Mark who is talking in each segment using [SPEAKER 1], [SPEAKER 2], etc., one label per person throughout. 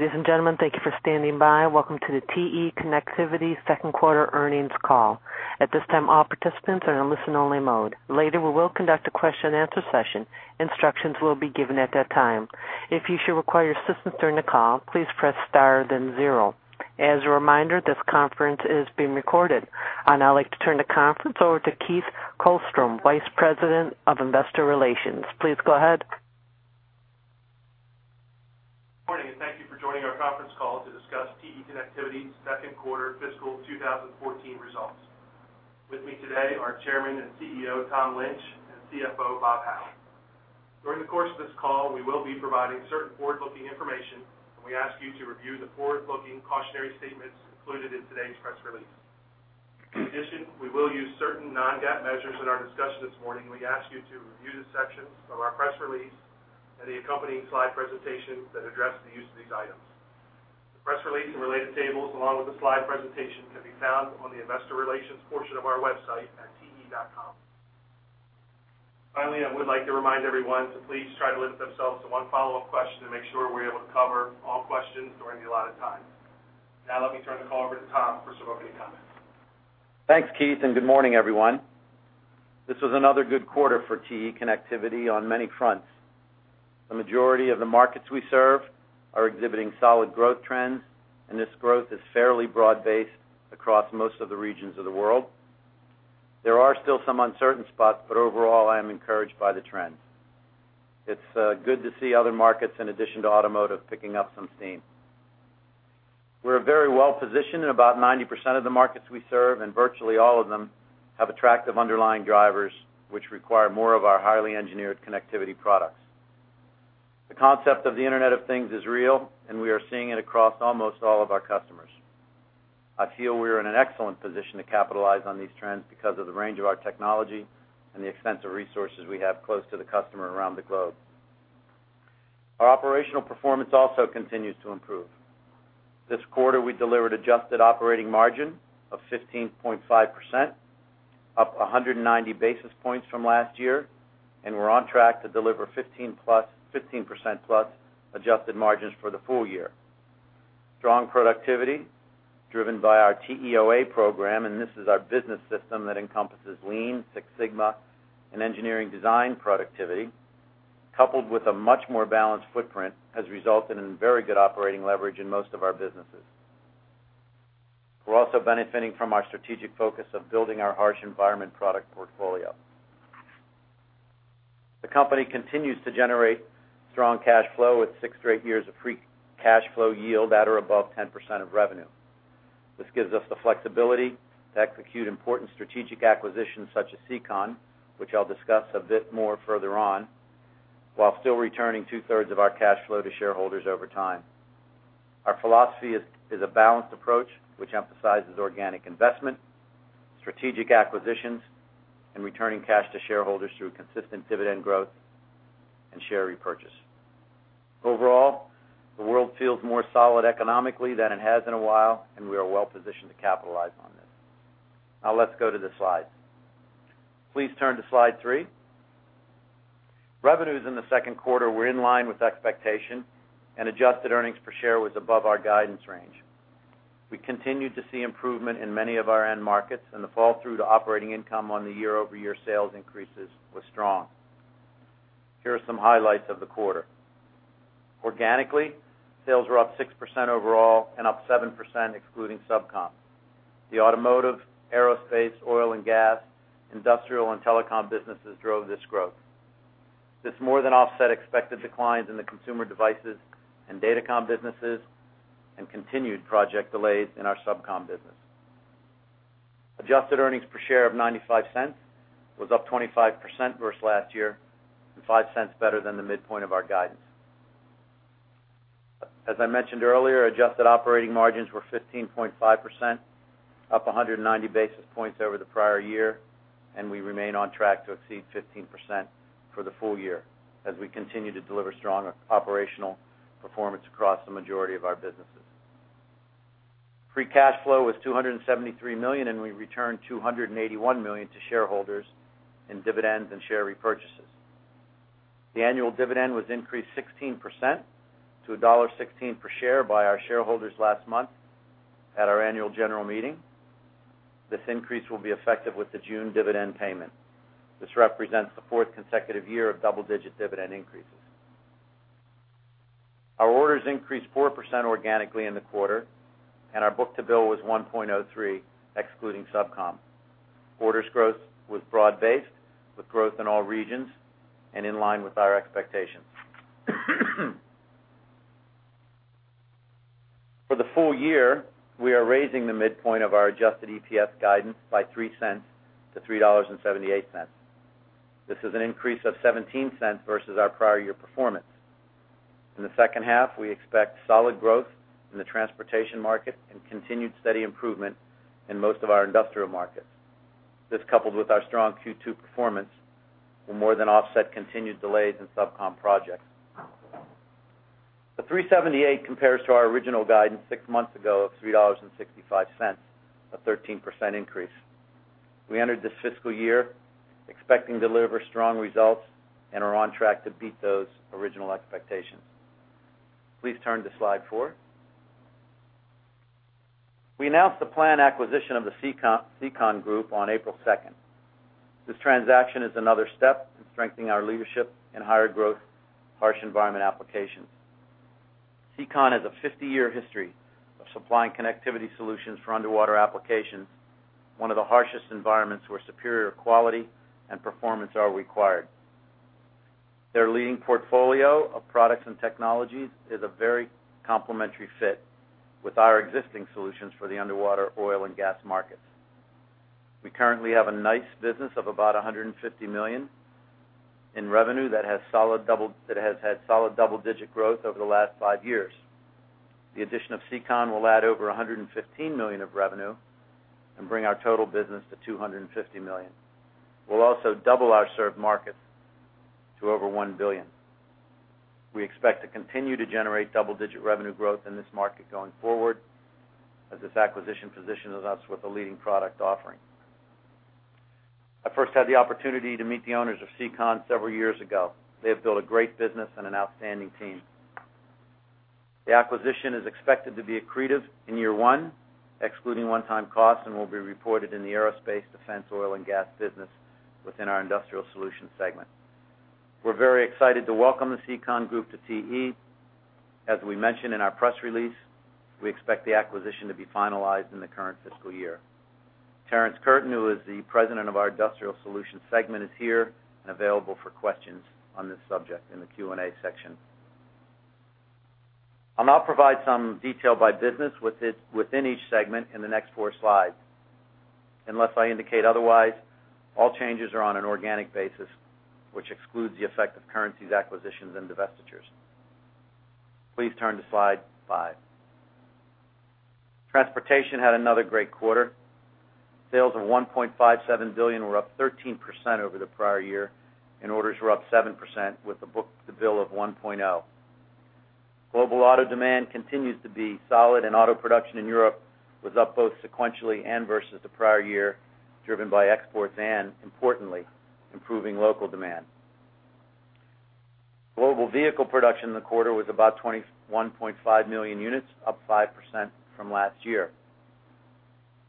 [SPEAKER 1] Ladies and gentlemen, thank you for standing by. Welcome to the TE Connectivity Second Quarter Earnings Call. At this time, all participants are in listen-only mode. Later, we will conduct a question-and-answer session. Instructions will be given at that time. If you should require assistance during the call, please press star, then zero. As a reminder, this conference is being recorded. I'd now like to turn the conference over to Keith Kolstrom, Vice President of Investor Relations. Please go ahead.
[SPEAKER 2] Good morning, and thank you for joining our conference call to discuss TE Connectivity's second quarter fiscal 2014 results. With me today are Chairman and CEO, Tom Lynch, and CFO, Bob Hau. During the course of this call, we will be providing certain forward-looking information, and we ask you to review the forward-looking cautionary statements included in today's press release. In addition, we will use certain non-GAAP measures in our discussion this morning. We ask you to review the sections of our press release and the accompanying slide presentation that address the use of these items. The press release and related tables, along with the slide presentation, can be found on the Investor Relations portion of our website at te.com. Finally, I would like to remind everyone to please try to limit themselves to one follow-up question to make sure we're able to cover all questions during the allotted time. Now, let me turn the call over to Tom for some opening comments.
[SPEAKER 3] Thanks, Keith, and good morning, everyone. This was another good quarter for TE Connectivity on many fronts. The majority of the markets we serve are exhibiting solid growth trends, and this growth is fairly broad-based across most of the regions of the world. There are still some uncertain spots, but overall, I am encouraged by the trends. It's good to see other markets in addition to automotive picking up some steam. We're very well positioned in about 90% of the markets we serve, and virtually all of them have attractive underlying drivers, which require more of our highly engineered connectivity products. The concept of the Internet of Things is real, and we are seeing it across almost all of our customers. I feel we are in an excellent position to capitalize on these trends because of the range of our technology and the extensive resources we have close to the customer around the globe. Our operational performance also continues to improve. This quarter, we delivered adjusted operating margin of 15.5%, up 190 basis points from last year, and we're on track to deliver 15%+ adjusted margins for the full year. Strong productivity, driven by our TEOA program, and this is our business system that encompasses Lean, Six Sigma, and engineering design productivity, coupled with a much more balanced footprint, has resulted in very good operating leverage in most of our businesses. We're also benefiting from our strategic focus of building our harsh environment product portfolio. The company continues to generate strong cash flow with 6 straight years of free cash flow yield at or above 10% of revenue. This gives us the flexibility to execute important strategic acquisitions such as SEACON, which I'll discuss a bit more further on, while still returning 2/3 of our cash flow to shareholders over time. Our philosophy is a balanced approach, which emphasizes organic investment, strategic acquisitions, and returning cash to shareholders through consistent dividend growth and share repurchase. Overall, the world feels more solid economically than it has in a while, and we are well positioned to capitalize on this. Now, let's go to the slides. Please turn to slide three. Revenues in the second quarter were in line with expectation, and adjusted earnings per share was above our guidance range. We continued to see improvement in many of our end markets, and the fall-through to operating income on the year-over-year sales increases was strong. Here are some highlights of the quarter. Organically, sales were up 6% overall and up 7% excluding SubCom. The automotive, aerospace, oil and gas, industrial, and telecom businesses drove this growth. This more than offset expected declines in the consumer devices and datacom businesses and continued project delays in our SubCom business. Adjusted earnings per share of $0.95 was up 25% versus last year and $0.05 better than the midpoint of our guidance. As I mentioned earlier, adjusted operating margins were 15.5%, up 190 basis points over the prior year, and we remain on track to exceed 15% for the full year as we continue to deliver strong operational performance across the majority of our businesses. Free cash flow was $273 million, and we returned $281 million to shareholders in dividends and share repurchases. The annual dividend was increased 16% to $1.16 per share by our shareholders last month at our annual general meeting. This increase will be effective with the June dividend payment. This represents the fourth consecutive year of double-digit dividend increases. Our orders increased 4% organically in the quarter, and our book-to-bill was 1.03, excluding SubCom. Orders growth was broad-based, with growth in all regions and in line with our expectations. For the full year, we are raising the midpoint of our adjusted EPS guidance by $0.03-$3.78. This is an increase of $0.17 versus our prior year performance. In the second half, we expect solid growth in the transportation market and continued steady improvement in most of our industrial markets. This, coupled with our strong Q2 performance, will more than offset continued delays in SubCom projects. The $3.78 compares to our original guidance six months ago of $3.65, a 13% increase. We entered this fiscal year expecting to deliver strong results and are on track to beat those original expectations. Please turn to slide four. We announced the planned acquisition of the SEACON Group on April 2nd. This transaction is another step in strengthening our leadership in higher growth, harsh environment applications. SEACON has a 50-year history of supplying connectivity solutions for underwater applications, one of the harshest environments where superior quality and performance are required. Their leading portfolio of products and technologies is a very complementary fit with our existing solutions for the underwater oil and gas markets. We currently have a nice business of about $150 million in revenue that has had solid double-digit growth over the last 5 years. The addition of SEACON will add over $115 million of revenue and bring our total business to $250 million. We'll also double our served market to over $1 billion. We expect to continue to generate double-digit revenue growth in this market going forward, as this acquisition positions us with a leading product offering. I first had the opportunity to meet the owners of SEACON several years ago. They have built a great business and an outstanding team. The acquisition is expected to be accretive in year one, excluding one-time costs, and will be reported in the Aerospace, Defense, Oil and Gas business within our Industrial Solutions segment. We're very excited to welcome the SEACON group to TE. As we mentioned in our press release, we expect the acquisition to be finalized in the current fiscal year. Terrence Curtin, who is the President of our Industrial Solutions segment, is here and available for questions on this subject in the Q&A section. I'll now provide some detail by business with it, within each segment in the next four slides. Unless I indicate otherwise, all changes are on an organic basis, which excludes the effect of currencies, acquisitions, and divestitures. Please turn to slide five. Transportation had another great quarter. Sales of $1.57 billion were up 13% over the prior year, and orders were up 7%, with a book-to-bill of 1.0. Global auto demand continues to be solid, and auto production in Europe was up both sequentially and versus the prior year, driven by exports and, importantly, improving local demand. Global vehicle production in the quarter was about 21.5 million units, up 5% from last year.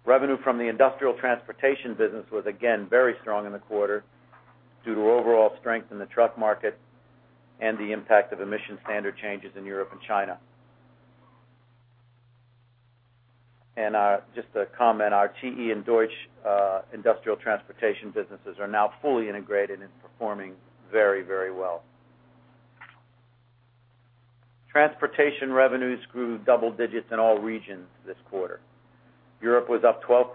[SPEAKER 3] Revenue from the industrial transportation business was again very strong in the quarter due to overall strength in the truck market and the impact of emission standard changes in Europe and China. Just a comment, our TE and DEUTSCH Industrial Transportation businesses are now fully integrated and performing very, very well. Transportation revenues grew double digits in all regions this quarter. Europe was up 12%,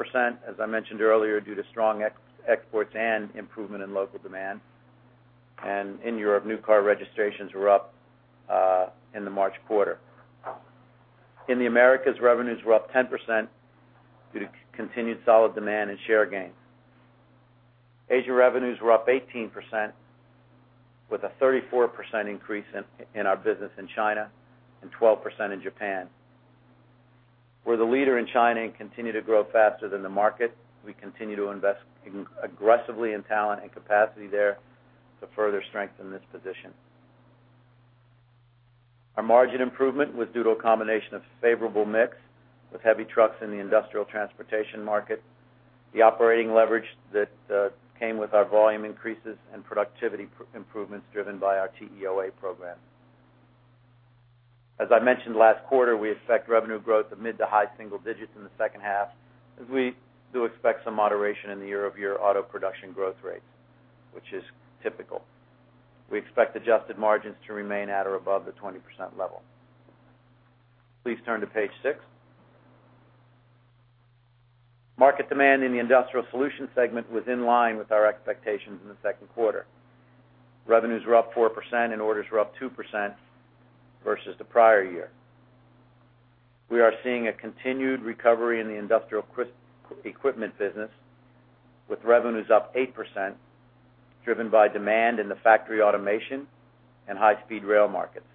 [SPEAKER 3] as I mentioned earlier, due to strong exports and improvement in local demand. In Europe, new car registrations were up in the March quarter. In the Americas, revenues were up 10% due to continued solid demand and share gains. Asia revenues were up 18%, with a 34% increase in our business in China and 12% in Japan. We're the leader in China and continue to grow faster than the market. We continue to invest aggressively in talent and capacity there to further strengthen this position. Our margin improvement was due to a combination of favorable mix with heavy trucks in the industrial transportation market, the operating leverage that came with our volume increases and productivity improvements driven by our TEOA program. As I mentioned last quarter, we expect revenue growth of mid to high single digits in the second half, as we do expect some moderation in the year-over-year auto production growth rates, which is typical. We expect adjusted margins to remain at or above the 20% level. Please turn to page six. Market demand in the Industrial Solutions segment was in line with our expectations in the second quarter. Revenues were up 4%, and orders were up 2% versus the prior year. We are seeing a continued recovery in the industrial equipment business, with revenues up 8%, driven by demand in the factory automation and high-speed rail markets.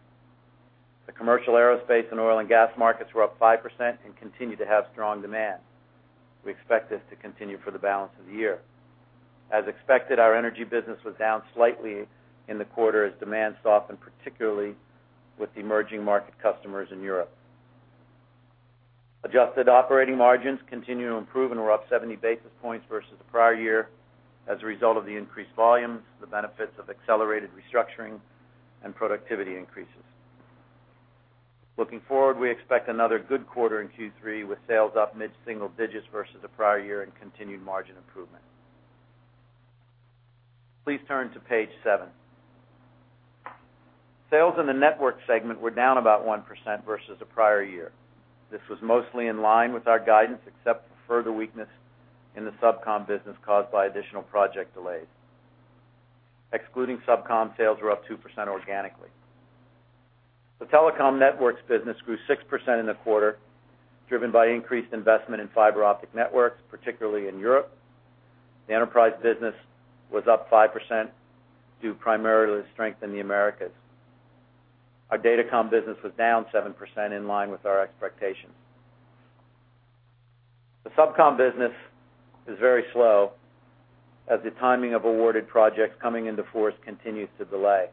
[SPEAKER 3] The commercial aerospace and oil and gas markets were up 5% and continue to have strong demand. We expect this to continue for the balance of the year. As expected, our energy business was down slightly in the quarter as demand softened, particularly with the emerging market customers in Europe. Adjusted operating margins continued to improve and were up 70 basis points versus the prior year as a result of the increased volumes, the benefits of accelerated restructuring, and productivity increases. Looking forward, we expect another good quarter in Q3, with sales up mid-single digits versus the prior year and continued margin improvement. Please turn to page seven. Sales in the Networks segment were down about 1% versus the prior year. This was mostly in line with our guidance, except for further weakness in the SubCom business caused by additional project delays. Excluding SubCom, sales were up 2% organically. The Telecom Networks business grew 6% in the quarter, driven by increased investment in fiber optic networks, particularly in Europe. The enterprise business was up 5% due primarily to strength in the Americas. Our Datacom business was down 7%, in line with our expectations. The SubCom business is very slow, as the timing of awarded projects coming into force continues to delay.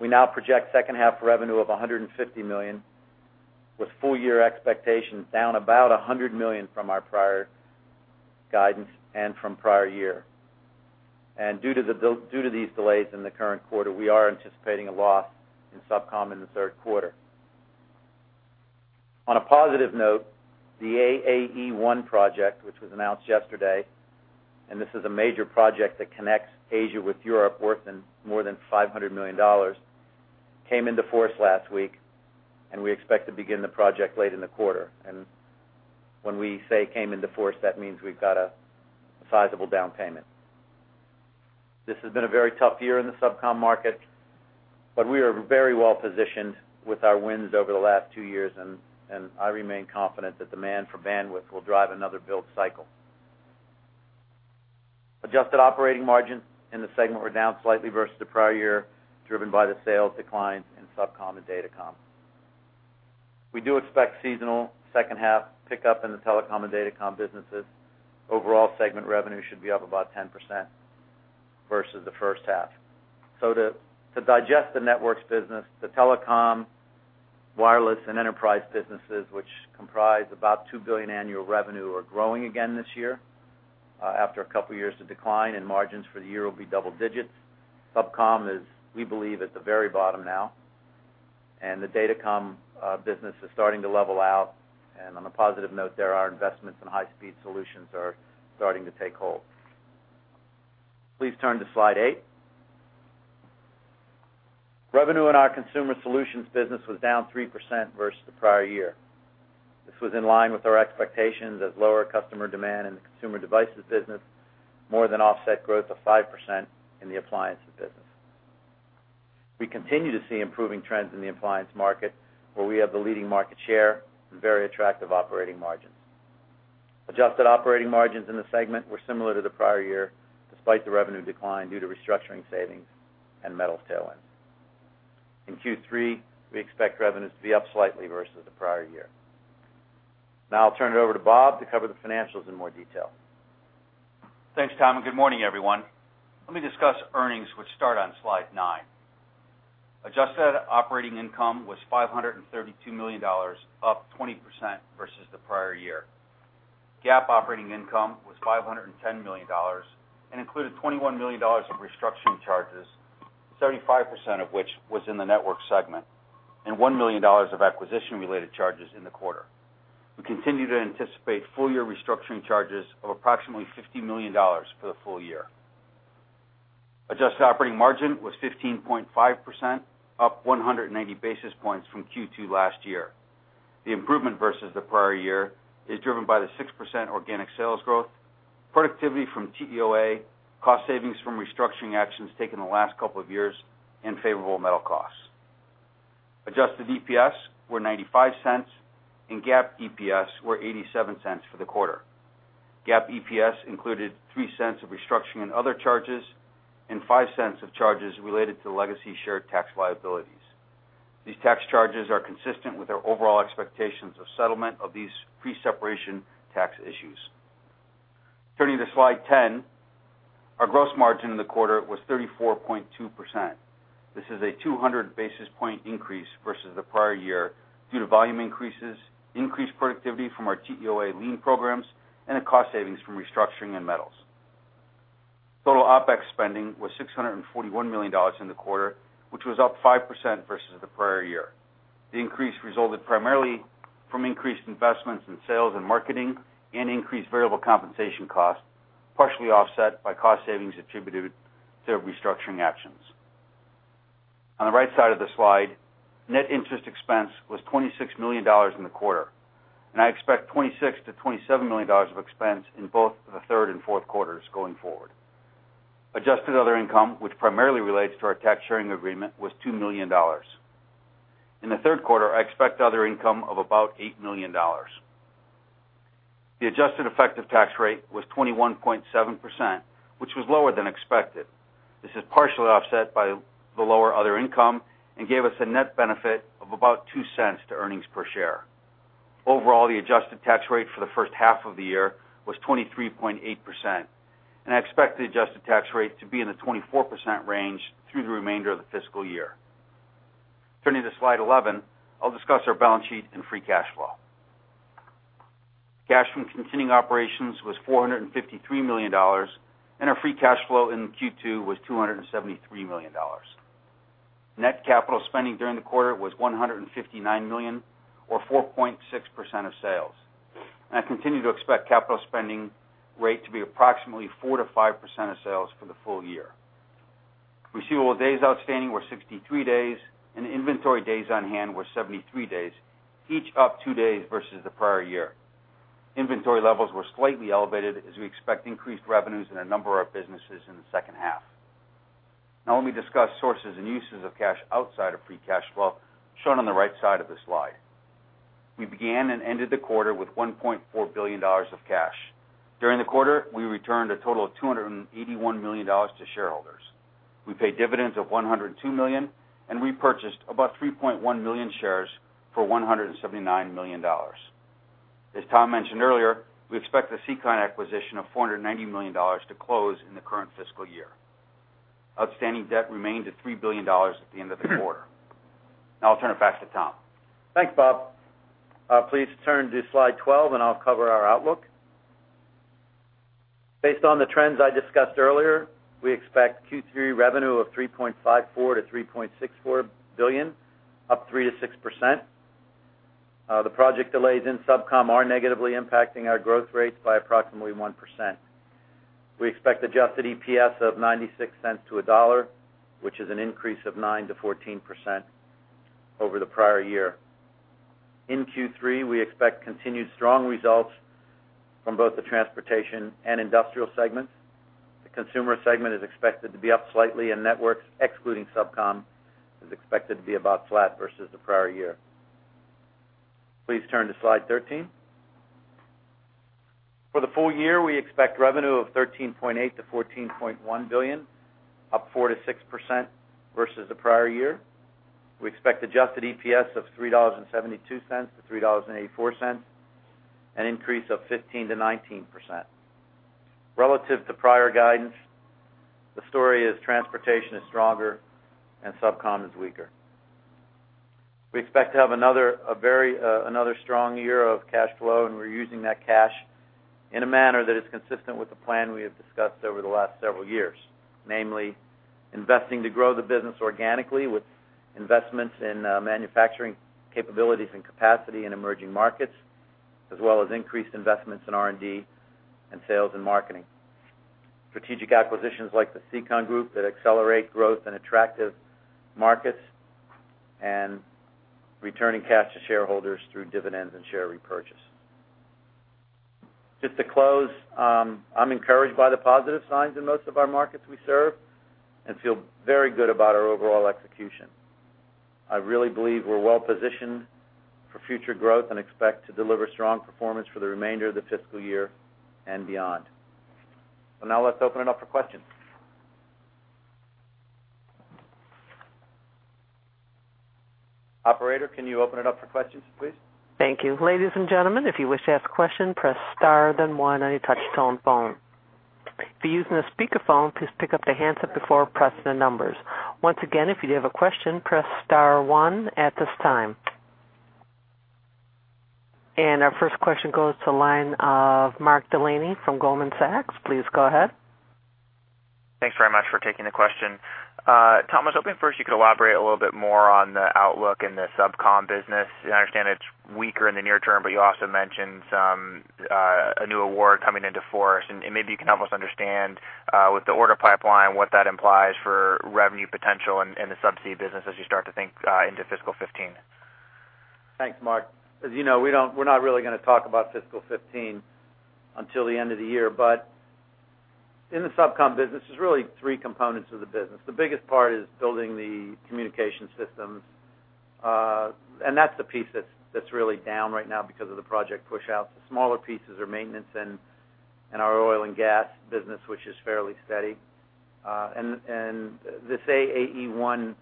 [SPEAKER 3] We now project second half revenue of $150 million, with full year expectations down about $100 million from our prior guidance and from prior year. Due to these delays in the current quarter, we are anticipating a loss in SubCom in the third quarter. On a positive note, the AAE-1 project, which was announced yesterday, and this is a major project that connects Asia with Europe, worth more than $500 million, came into force last week, and we expect to begin the project late in the quarter. When we say came into force, that means we've got a sizable down payment. This has been a very tough year in the SubCom market, but we are very well positioned with our wins over the last two years, and, and I remain confident that demand for bandwidth will drive another build cycle. Adjusted operating margins in the segment were down slightly versus the prior year, driven by the sales declines in SubCom and Datacom. We do expect seasonal second half pickup in the Telecom and Datacom businesses. Overall, segment revenue should be up about 10% versus the first half. So to, to digest the networks business, the Telecom, Wireless, and Enterprise businesses, which comprise about $2 billion annual revenue, are growing again this year, after a couple of years of decline, and margins for the year will be double digits. SubCom is, we believe, at the very bottom now, and the Datacom business is starting to level out. And on a positive note there, our investments in high-speed solutions are starting to take hold. Please turn to slide eight. Revenue in our Consumer Solutions business was down 3% versus the prior year. This was in line with our expectations, as lower customer demand in the consumer devices business more than offset growth of 5% in the appliances business. We continue to see improving trends in the appliance market, where we have the leading market share and very attractive operating margins. Adjusted operating margins in the segment were similar to the prior year, despite the revenue decline due to restructuring savings and metal tailwinds. In Q3, we expect revenues to be up slightly versus the prior year. Now I'll turn it over to Bob to cover the financials in more detail.
[SPEAKER 4] Thanks, Tom, and good morning, everyone. Let me discuss earnings, which start on slide nine. Adjusted operating income was $532 million, up 20% versus the prior year. GAAP operating income was $510 million and included $21 million of restructuring charges, 35% of which was in the network segment, and $1 million of acquisition-related charges in the quarter. We continue to anticipate full-year restructuring charges of approximately $50 million for the full year. Adjusted operating margin was 15.5%, up 180 basis points from Q2 last year. The improvement versus the prior year is driven by the 6% organic sales growth, productivity from TEOA, cost savings from restructuring actions taken in the last couple of years, and favorable metal costs. Adjusted EPS were $0.95, and GAAP EPS were $0.87 for the quarter. GAAP EPS included $0.03 of restructuring and other charges and $0.05 of charges related to legacy shared tax liabilities. These tax charges are consistent with our overall expectations of settlement of these pre-separation tax issues. Turning to slide 10, our gross margin in the quarter was 34.2%. This is a 200 basis point increase versus the prior year due to volume increases, increased productivity from our TEOA lean programs, and a cost savings from restructuring and metals. Total OpEx spending was $641 million in the quarter, which was up 5% versus the prior year. The increase resulted primarily from increased investments in sales and marketing and increased variable compensation costs, partially offset by cost savings attributed to restructuring actions. On the right side of the slide, net interest expense was $26 million in the quarter, and I expect $26-$27 million of expense in both the third and fourth quarters going forward. Adjusted other income, which primarily relates to our tax sharing agreement, was $2 million. In the third quarter, I expect other income of about $8 million. The adjusted effective tax rate was 21.7%, which was lower than expected. This is partially offset by the lower other income and gave us a net benefit of about $0.02 to earnings per share. Overall, the adjusted tax rate for the first half of the year was 23.8%, and I expect the adjusted tax rate to be in the 24% range through the remainder of the fiscal year. Turning to slide 11, I'll discuss our balance sheet and free cash flow. Cash from continuing operations was $453 million, and our free cash flow in Q2 was $273 million. Net capital spending during the quarter was $159 million, or 4.6% of sales. I continue to expect capital spending rate to be approximately 4%-5% of sales for the full year. Receivables days outstanding were 63 days, and inventory days on hand were 73 days, each up 2 days versus the prior year. Inventory levels were slightly elevated, as we expect increased revenues in a number of our businesses in the second half. Now let me discuss sources and uses of cash outside of free cash flow, shown on the right side of the slide.... We began and ended the quarter with $1.4 billion of cash. During the quarter, we returned a total of $281 million to shareholders. We paid dividends of $102 million, and repurchased about 3.1 million shares for $179 million. As Tom mentioned earlier, we expect the SEACON acquisition of $490 million to close in the current fiscal year. Outstanding debt remained at $3 billion at the end of the quarter. Now I'll turn it back to Tom.
[SPEAKER 3] Thanks, Bob. Please turn to slide 12, and I'll cover our outlook. Based on the trends I discussed earlier, we expect Q3 revenue of $3.54 billion-$3.64 billion, up 3%-6%. The project delays in SubCom are negatively impacting our growth rates by approximately 1%. We expect adjusted EPS of $0.96-$1.00, which is an increase of 9%-14% over the prior year. In Q3, we expect continued strong results from both the Transportation and Industrial segments. The Consumer segment is expected to be up slightly, and Networks, excluding SubCom, is expected to be about flat versus the prior year. Please turn to slide 13. For the full year, we expect revenue of $13.8 billion-$14.1 billion, up 4%-6% versus the prior year. We expect adjusted EPS of $3.72-$3.84, an increase of 15%-19%. Relative to prior guidance, the story is Transportation is stronger and SubCom is weaker. We expect to have another, a very, another strong year of cash flow, and we're using that cash in a manner that is consistent with the plan we have discussed over the last several years. Namely, investing to grow the business organically with investments in, manufacturing capabilities and capacity in emerging markets, as well as increased investments in R&D and sales and marketing. Strategic acquisitions like the SEACON Group, that accelerate growth in attractive markets, and returning cash to shareholders through dividends and share repurchase. Just to close, I'm encouraged by the positive signs in most of our markets we serve and feel very good about our overall execution. I really believe we're well positioned for future growth and expect to deliver strong performance for the remainder of the fiscal year and beyond. So now, let's open it up for questions. Operator, can you open it up for questions, please?
[SPEAKER 1] Thank you. Ladies and gentlemen, if you wish to ask a question, press star, then one on your touchtone phone. If you're using a speakerphone, please pick up the handset before pressing the numbers. Once again, if you do have a question, press star one at this time. Our first question goes to the line of Mark Delaney from Goldman Sachs. Please go ahead.
[SPEAKER 5] Thanks very much for taking the question. Tom, I was hoping first you could elaborate a little bit more on the outlook in the SubCom business. I understand it's weaker in the near term, but you also mentioned some, a new award coming into force. And maybe you can help us understand, with the order pipeline, what that implies for revenue potential in the subsea business as you start to think into fiscal 2015.
[SPEAKER 3] Thanks, Mark. As you know, we're not really gonna talk about fiscal 2015 until the end of the year. But in the SubCom business, there's really three components of the business. The biggest part is building the communication systems, and that's the piece that's really down right now because of the project pushouts. The smaller pieces are maintenance and our oil and gas business, which is fairly steady. And this AAE-1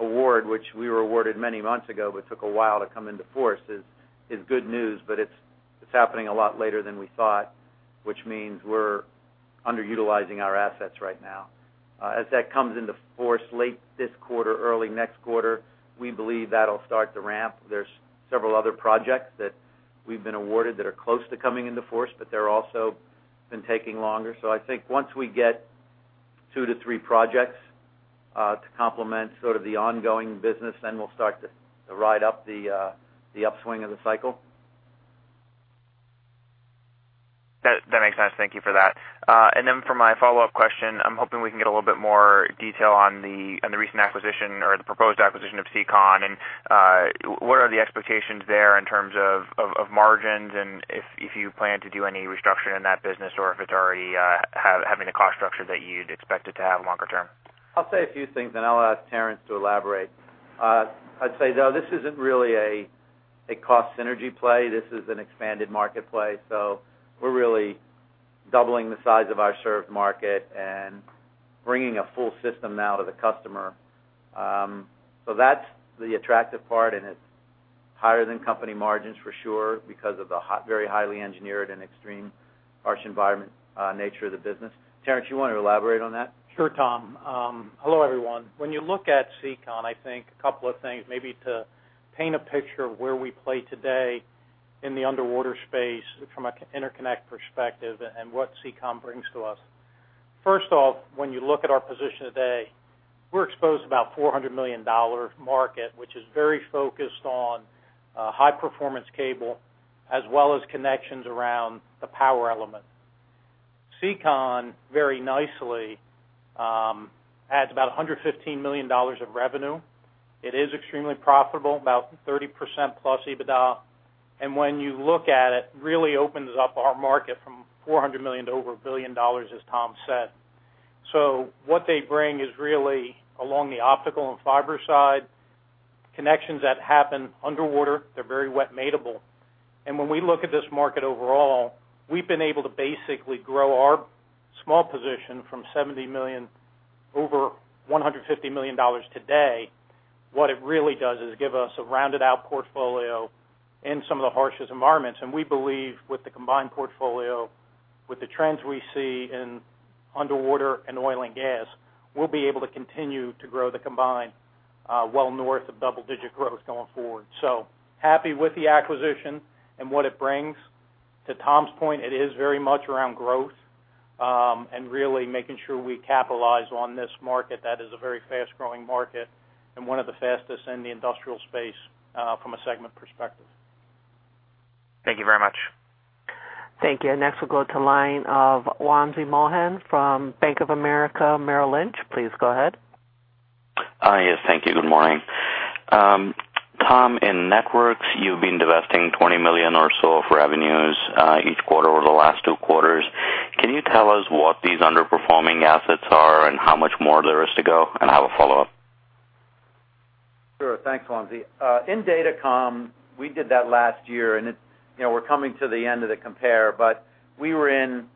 [SPEAKER 3] award, which we were awarded many months ago, but took a while to come into force, is good news, but it's happening a lot later than we thought, which means we're underutilizing our assets right now. As that comes into force late this quarter, early next quarter, we believe that'll start to ramp. There's several other projects that we've been awarded that are close to coming into force, but they're also been taking longer. So I think once we get two to three projects to complement sort of the ongoing business, then we'll start to, to ride up the, the upswing of the cycle.
[SPEAKER 5] That makes sense. Thank you for that. And then for my follow-up question, I'm hoping we can get a little bit more detail on the recent acquisition or the proposed acquisition of SEACON, and what are the expectations there in terms of margins? And if you plan to do any restructuring in that business, or if it's already having the cost structure that you'd expect it to have longer term?
[SPEAKER 3] I'll say a few things, then I'll ask Terrence to elaborate. I'd say, though, this isn't really a cost synergy play, this is an expanded market play. So we're really doubling the size of our served market and bringing a full system now to the customer. So that's the attractive part, and it's higher than company margins for sure, because of the very highly engineered and extreme harsh environment nature of the business. Terrence, you want to elaborate on that?
[SPEAKER 6] Sure, Tom. Hello, everyone. When you look at SEACON, I think a couple of things, maybe to paint a picture of where we play today in the underwater space from an interconnect perspective and what SEACON brings to us. First off, when you look at our position today, we're exposed to about a $400 million market, which is very focused on high-performance cable, as well as connections around the power element. SEACON very nicely adds about $115 million of revenue. It is extremely profitable, about 30%+ EBITDA. And when you look at it, really opens up our market from $400 million to over $1 billion, as Tom said.... So what they bring is really along the optical and fiber side, connections that happen underwater, they're very wet mateable. And when we look at this market overall, we've been able to basically grow our small position from $70 million, over $150 million today. What it really does is give us a rounded out portfolio in some of the harshest environments. And we believe with the combined portfolio, with the trends we see in underwater and oil and gas, we'll be able to continue to grow the combined, well north of double-digit growth going forward. So happy with the acquisition and what it brings. To Tom's point, it is very much around growth, and really making sure we capitalize on this market. That is a very fast-growing market and one of the fastest in the industrial space, from a segment perspective.
[SPEAKER 5] Thank you very much.
[SPEAKER 1] Thank you. Next, we'll go to line of Wamsi Mohan from Bank of America Merrill Lynch. Please go ahead.
[SPEAKER 7] Hi. Yes, thank you. Good morning. Tom, in Networks, you've been divesting $20 million or so of revenues each quarter over the last two quarters. Can you tell us what these underperforming assets are, and how much more there is to go? I have a follow-up.
[SPEAKER 3] Sure. Thanks, Wamsi. In Datacom, we did that last year, and it, you know, we're coming to the end of the compare, but we were in,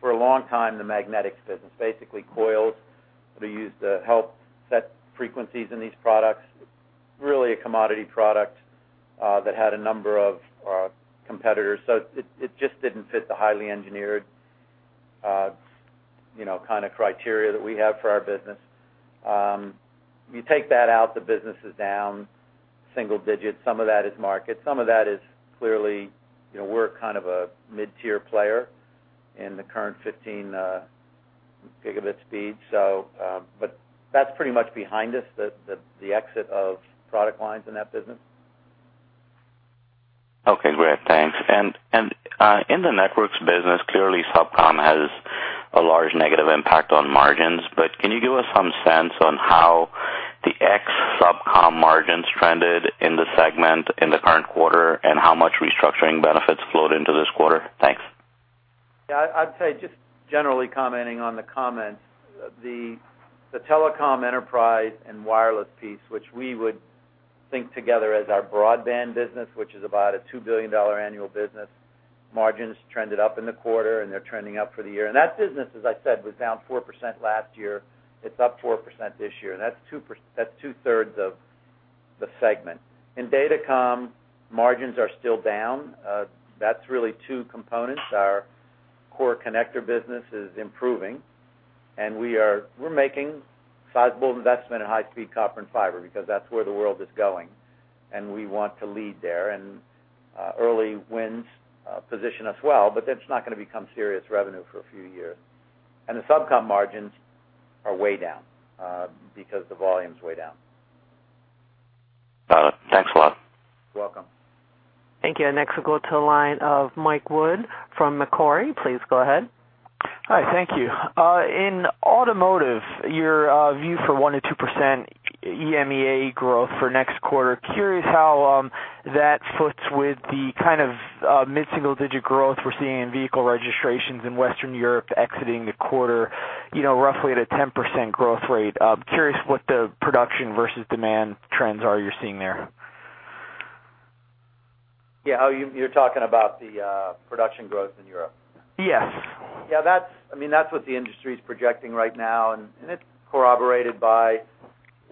[SPEAKER 3] for a long time, the magnetics business, basically coils that are used to help set frequencies in these products, really a commodity product, that had a number of competitors. So it just didn't fit the highly engineered, you know, kind of criteria that we have for our business. You take that out, the business is down single digits. Some of that is market, some of that is clearly, you know, we're kind of a mid-tier player in the current 15 gigabit speed. So, but that's pretty much behind us, the exit of product lines in that business.
[SPEAKER 7] Okay, great. Thanks. And in the Networks business, clearly, SubCom has a large negative impact on margins, but can you give us some sense on how the ex SubCom margins trended in the segment in the current quarter, and how much restructuring benefits flowed into this quarter? Thanks.
[SPEAKER 3] Yeah, I'd say just generally commenting on the comments, the telecom enterprise and wireless piece, which we would think together as our broadband business, which is about a $2 billion annual business, margins trended up in the quarter, and they're trending up for the year. That business, as I said, was down 4% last year. It's up 4% this year, and that's two-thirds of the segment. In Datacom, margins are still down. That's really two components. Our core connector business is improving, and we're making sizable investment in high-speed copper and fiber because that's where the world is going, and we want to lead there. And early wins position us well, but that's not gonna become serious revenue for a few years. And the SubCom margins are way down because the volume's way down.
[SPEAKER 7] Got it. Thanks a lot.
[SPEAKER 3] You're welcome.
[SPEAKER 1] Thank you. Next, we'll go to the line of Mike Wood from Macquarie. Please go ahead.
[SPEAKER 8] Hi, thank you. In Automotive, your view for 1%-2% EMEA growth for next quarter, curious how that fits with the kind of mid-single digit growth we're seeing in vehicle registrations in Western Europe exiting the quarter, you know, roughly at a 10% growth rate. Curious what the production versus demand trends are you're seeing there?
[SPEAKER 3] Yeah, oh, you, you're talking about the production growth in Europe?
[SPEAKER 8] Yes.
[SPEAKER 3] Yeah, that's, I mean, that's what the industry is projecting right now, and it's corroborated by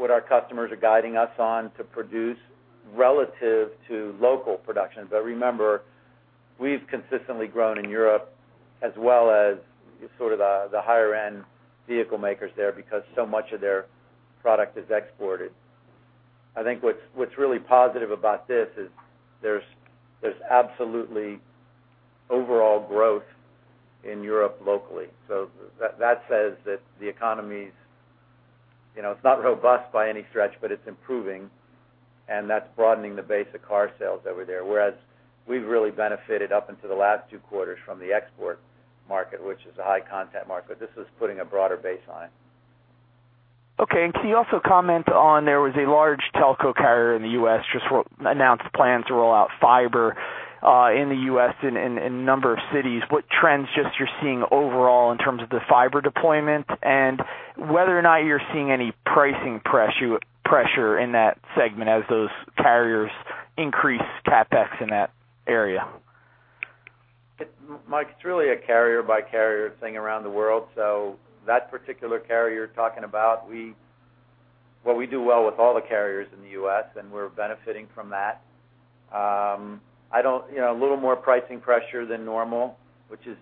[SPEAKER 3] what our customers are guiding us on to produce relative to local production. But remember, we've consistently grown in Europe as well as sort of the higher-end vehicle makers there, because so much of their product is exported. I think what's really positive about this is there's absolutely overall growth in Europe locally. So that says that the economy's, you know, it's not robust by any stretch, but it's improving, and that's broadening the base of car sales over there, whereas we've really benefited up until the last two quarters from the export market, which is a high-content market. But this is putting a broader baseline.
[SPEAKER 8] Okay. And can you also comment on, there was a large telco carrier in the U.S., just re-announced plans to roll out fiber in the U.S. in a number of cities. What trends just you're seeing overall in terms of the fiber deployment and whether or not you're seeing any pricing pressure in that segment as those carriers increase CapEx in that area?
[SPEAKER 3] Mike, it's really a carrier by carrier thing around the world. So that particular carrier you're talking about, well, we do well with all the carriers in the U.S., and we're benefiting from that. I don't, you know, a little more pricing pressure than normal, which is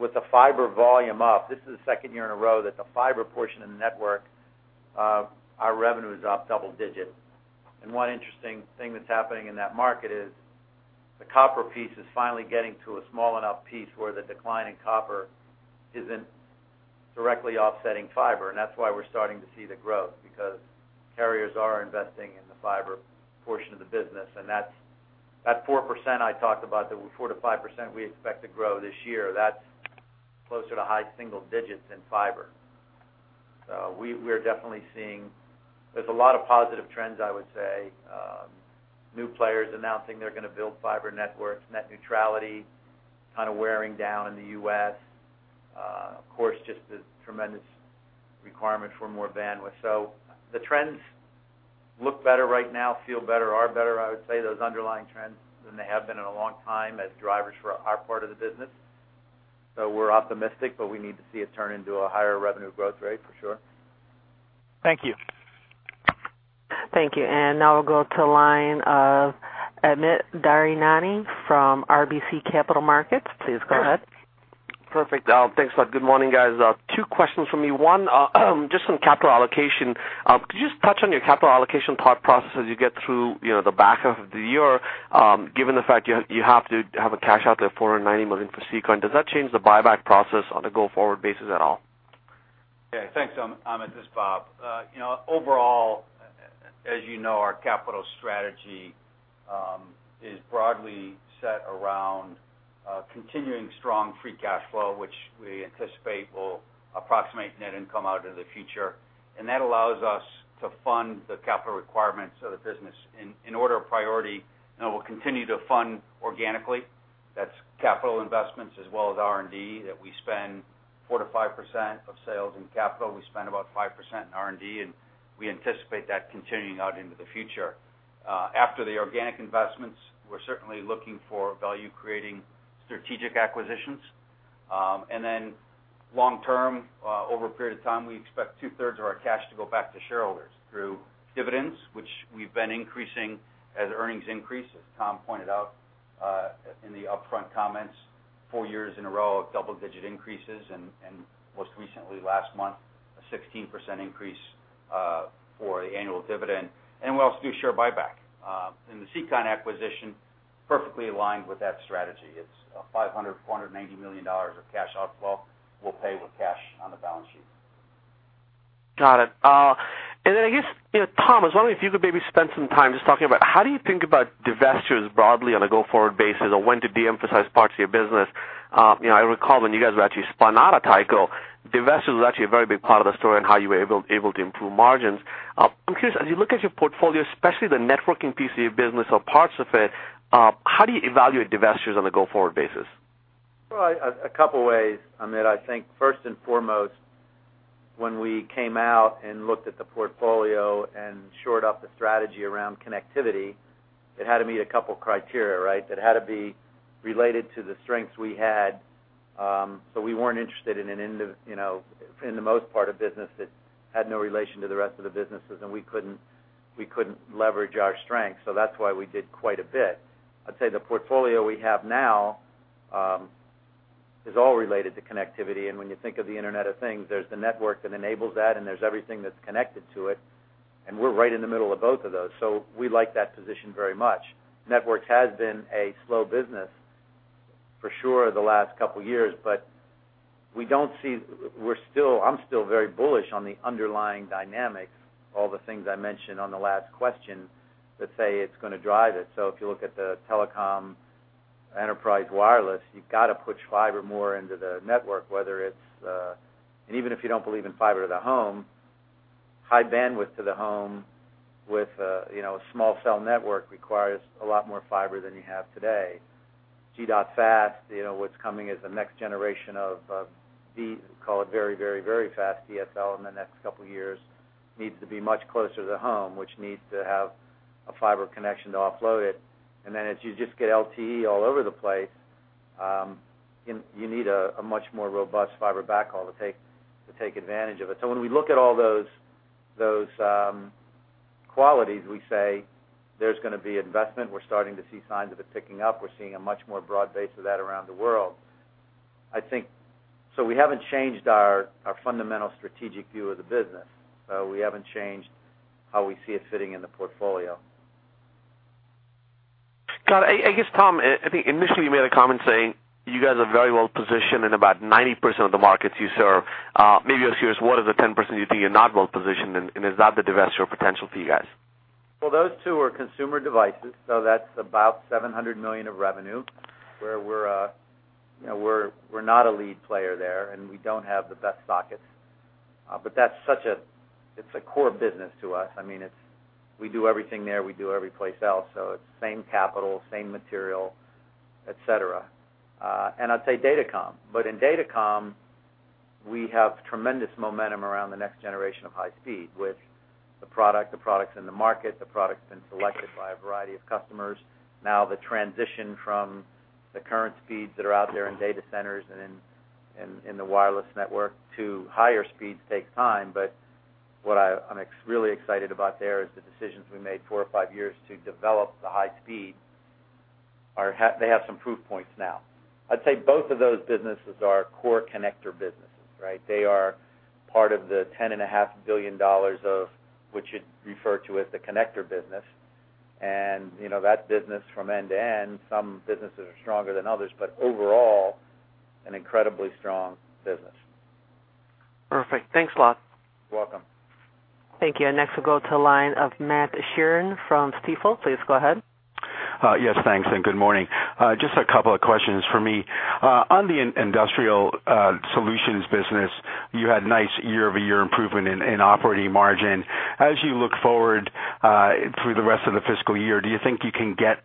[SPEAKER 3] with the fiber volume up, this is the second year in a row that the fiber portion of the network, our revenue is up double digits. And one interesting thing that's happening in that market is the copper piece is finally getting to a small enough piece where the decline in copper isn't directly offsetting fiber, and that's why we're starting to see the growth, because carriers are investing in the fiber portion of the business. And that's that 4% I talked about, the 4%-5% we expect to grow this year, that's closer to high single digits in fiber... So we are definitely seeing, there's a lot of positive trends, I would say. New players announcing they're gonna build fiber networks, net neutrality kind of wearing down in the U.S. Of course, just the tremendous requirement for more bandwidth. So the trends look better right now, feel better, are better, I would say, those underlying trends than they have been in a long time as drivers for our part of the business. So we're optimistic, but we need to see it turn into a higher revenue growth rate, for sure.
[SPEAKER 8] Thank you.
[SPEAKER 1] Thank you. Now we'll go to the line of Amit Daryanani from RBC Capital Markets. Please go ahead.
[SPEAKER 9] Perfect. Thanks a lot. Good morning, guys. Two questions from me. One, just on capital allocation. Could you just touch on your capital allocation thought process as you get through, you know, the back end of the year, given the fact you, you have to have a cash out there, $490 million for CCON, does that change the buyback process on a go-forward basis at all?
[SPEAKER 4] Yeah. Thanks, Amit. It's Bob. You know, overall, as you know, our capital strategy is broadly set around continuing strong free cash flow, which we anticipate will approximate net income out into the future. That allows us to fund the capital requirements of the business in order of priority, and we'll continue to fund organically. That's capital investments as well as R&D, that we spend 4%-5% of sales in capital. We spend about 5% in R&D, and we anticipate that continuing out into the future. After the organic investments, we're certainly looking for value-creating strategic acquisitions. And then long term, over a period of time, we expect 2/3 of our cash to go back to shareholders through dividends, which we've been increasing as earnings increase, as Tom pointed out, in the upfront comments, 4 years in a row of double-digit increases, and most recently last month, a 16% increase, for the annual dividend, and we also do share buyback. And the SEACON acquisition perfectly aligned with that strategy. It's a $549 million of cash outflow. We'll pay with cash on the balance sheet.
[SPEAKER 9] Got it. And then I guess, you know, Tom, I was wondering if you could maybe spend some time just talking about how do you think about divestitures broadly on a go-forward basis, or when to de-emphasize parts of your business? You know, I recall when you guys were actually spun out of Tyco, divestiture was actually a very big part of the story and how you were able to improve margins. I'm curious, as you look at your portfolio, especially the networking piece of your business or parts of it, how do you evaluate divestitures on a go-forward basis?
[SPEAKER 3] Well, a couple ways, Amit. I think first and foremost, when we came out and looked at the portfolio and shored up the strategy around connectivity, it had to meet a couple criteria, right? It had to be related to the strengths we had. So we weren't interested in an end of, you know, in the most part, a business that had no relation to the rest of the businesses, and we couldn't, we couldn't leverage our strengths, so that's why we did quite a bit. I'd say the portfolio we have now is all related to connectivity, and when you think of the Internet of Things, there's the network that enables that, and there's everything that's connected to it, and we're right in the middle of both of those. So we like that position very much. Networks has been a slow business, for sure, the last couple of years, but we don't see- we're still-- I'm still very bullish on the underlying dynamics, all the things I mentioned on the last question, that say it's gonna drive it. So if you look at the telecom enterprise wireless, you've got to put fiber more into the network, whether it's, and even if you don't believe in fiber to the home, high bandwidth to the home with a, you know, a small cell network requires a lot more fiber than you have today. G.fast, you know, what's coming as the next generation of V, call it very, very, very fast DSL in the next couple of years, needs to be much closer to the home, which needs to have a fiber connection to offload it. And then as you just get LTE all over the place, you need a much more robust fiber backhaul to take advantage of it. So when we look at all those qualities, we say there's gonna be investment. We're starting to see signs of it picking up. We're seeing a much more broad base of that around the world. I think so we haven't changed our fundamental strategic view of the business, we haven't changed how we see it fitting in the portfolio.
[SPEAKER 9] Got it. I guess, Tom, I think initially you made a comment saying you guys are very well positioned in about 90% of the markets you serve. Maybe I'll just hear, what are the 10% you think you're not well positioned in, and is that the divestiture potential for you guys?
[SPEAKER 3] Well, those two are consumer devices, so that's about $700 million of revenue, where we're, you know, we're, we're not a lead player there, and we don't have the best sockets. But that's such a. It's a core business to us. I mean, it's, we do everything there, we do every place else, so it's same capital, same material, et cetera. And I'd say datacom. But in datacom, we have tremendous momentum around the next generation of high speed, with the product, the product's in the market, the product's been selected by a variety of customers. Now, the transition from the current speeds that are out there in data centers and in the wireless network to higher speeds takes time. But I'm really excited about there is the decisions we made four or five years to develop the high-speed era. They have some proof points now. I'd say both of those businesses are core connector businesses, right? They are part of the $10.5 billion of which you'd refer to as the connector business. And, you know, that business from end to end, some businesses are stronger than others, but overall, an incredibly strong business.
[SPEAKER 9] Perfect. Thanks a lot.
[SPEAKER 3] Welcome.
[SPEAKER 1] Thank you. And next we'll go to the line of Matt Sheerin from Stifel. Please go ahead.
[SPEAKER 10] Yes, thanks, and good morning. Just a couple of questions for me. On the industrial solutions business, you had nice year-over-year improvement in operating margin. As you look forward through the rest of the fiscal year, do you think you can get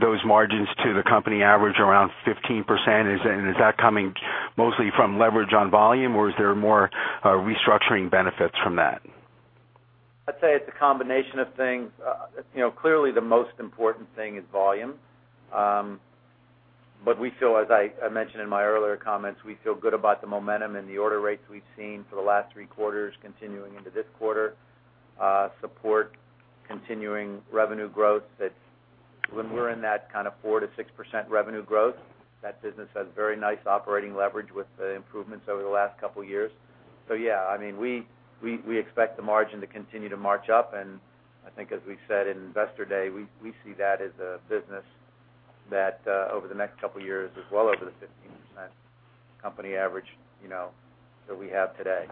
[SPEAKER 10] those margins to the company average around 15%? And is that coming mostly from leverage on volume, or is there more restructuring benefits from that?
[SPEAKER 3] I'd say it's a combination of things. You know, clearly, the most important thing is volume. But we feel, as I mentioned in my earlier comments, we feel good about the momentum and the order rates we've seen for the last three quarters, continuing into this quarter, support continuing revenue growth, that when we're in that kind of 4%-6% revenue growth, that business has very nice operating leverage with the improvements over the last couple of years. So yeah, I mean, we expect the margin to continue to march up, and I think as we said in Investor Day, we see that as a business that, over the next couple of years is well over the 15% company average, you know, that we have today.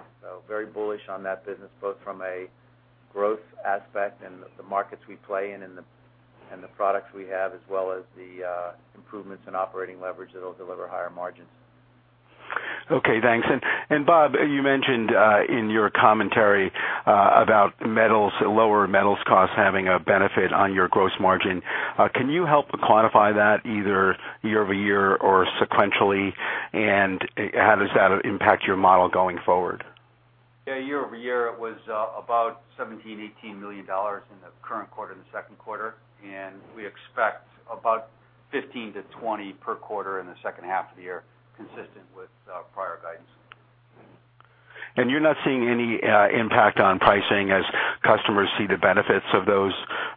[SPEAKER 3] Very bullish on that business, both from a growth aspect and the markets we play in and the products we have, as well as the improvements in operating leverage that'll deliver higher margins.
[SPEAKER 10] Okay, thanks. And Bob, you mentioned in your commentary about metals, lower metals costs having a benefit on your gross margin. Can you help quantify that either year-over-year or sequentially? And how does that impact your model going forward?
[SPEAKER 4] Yeah, year-over-year, it was about $17 million-$18 million in the current quarter, in the second quarter, and we expect about $15 million-$20 million per quarter in the second half of the year, consistent with prior guidance.
[SPEAKER 10] You're not seeing any impact on pricing as customers see the benefits of those,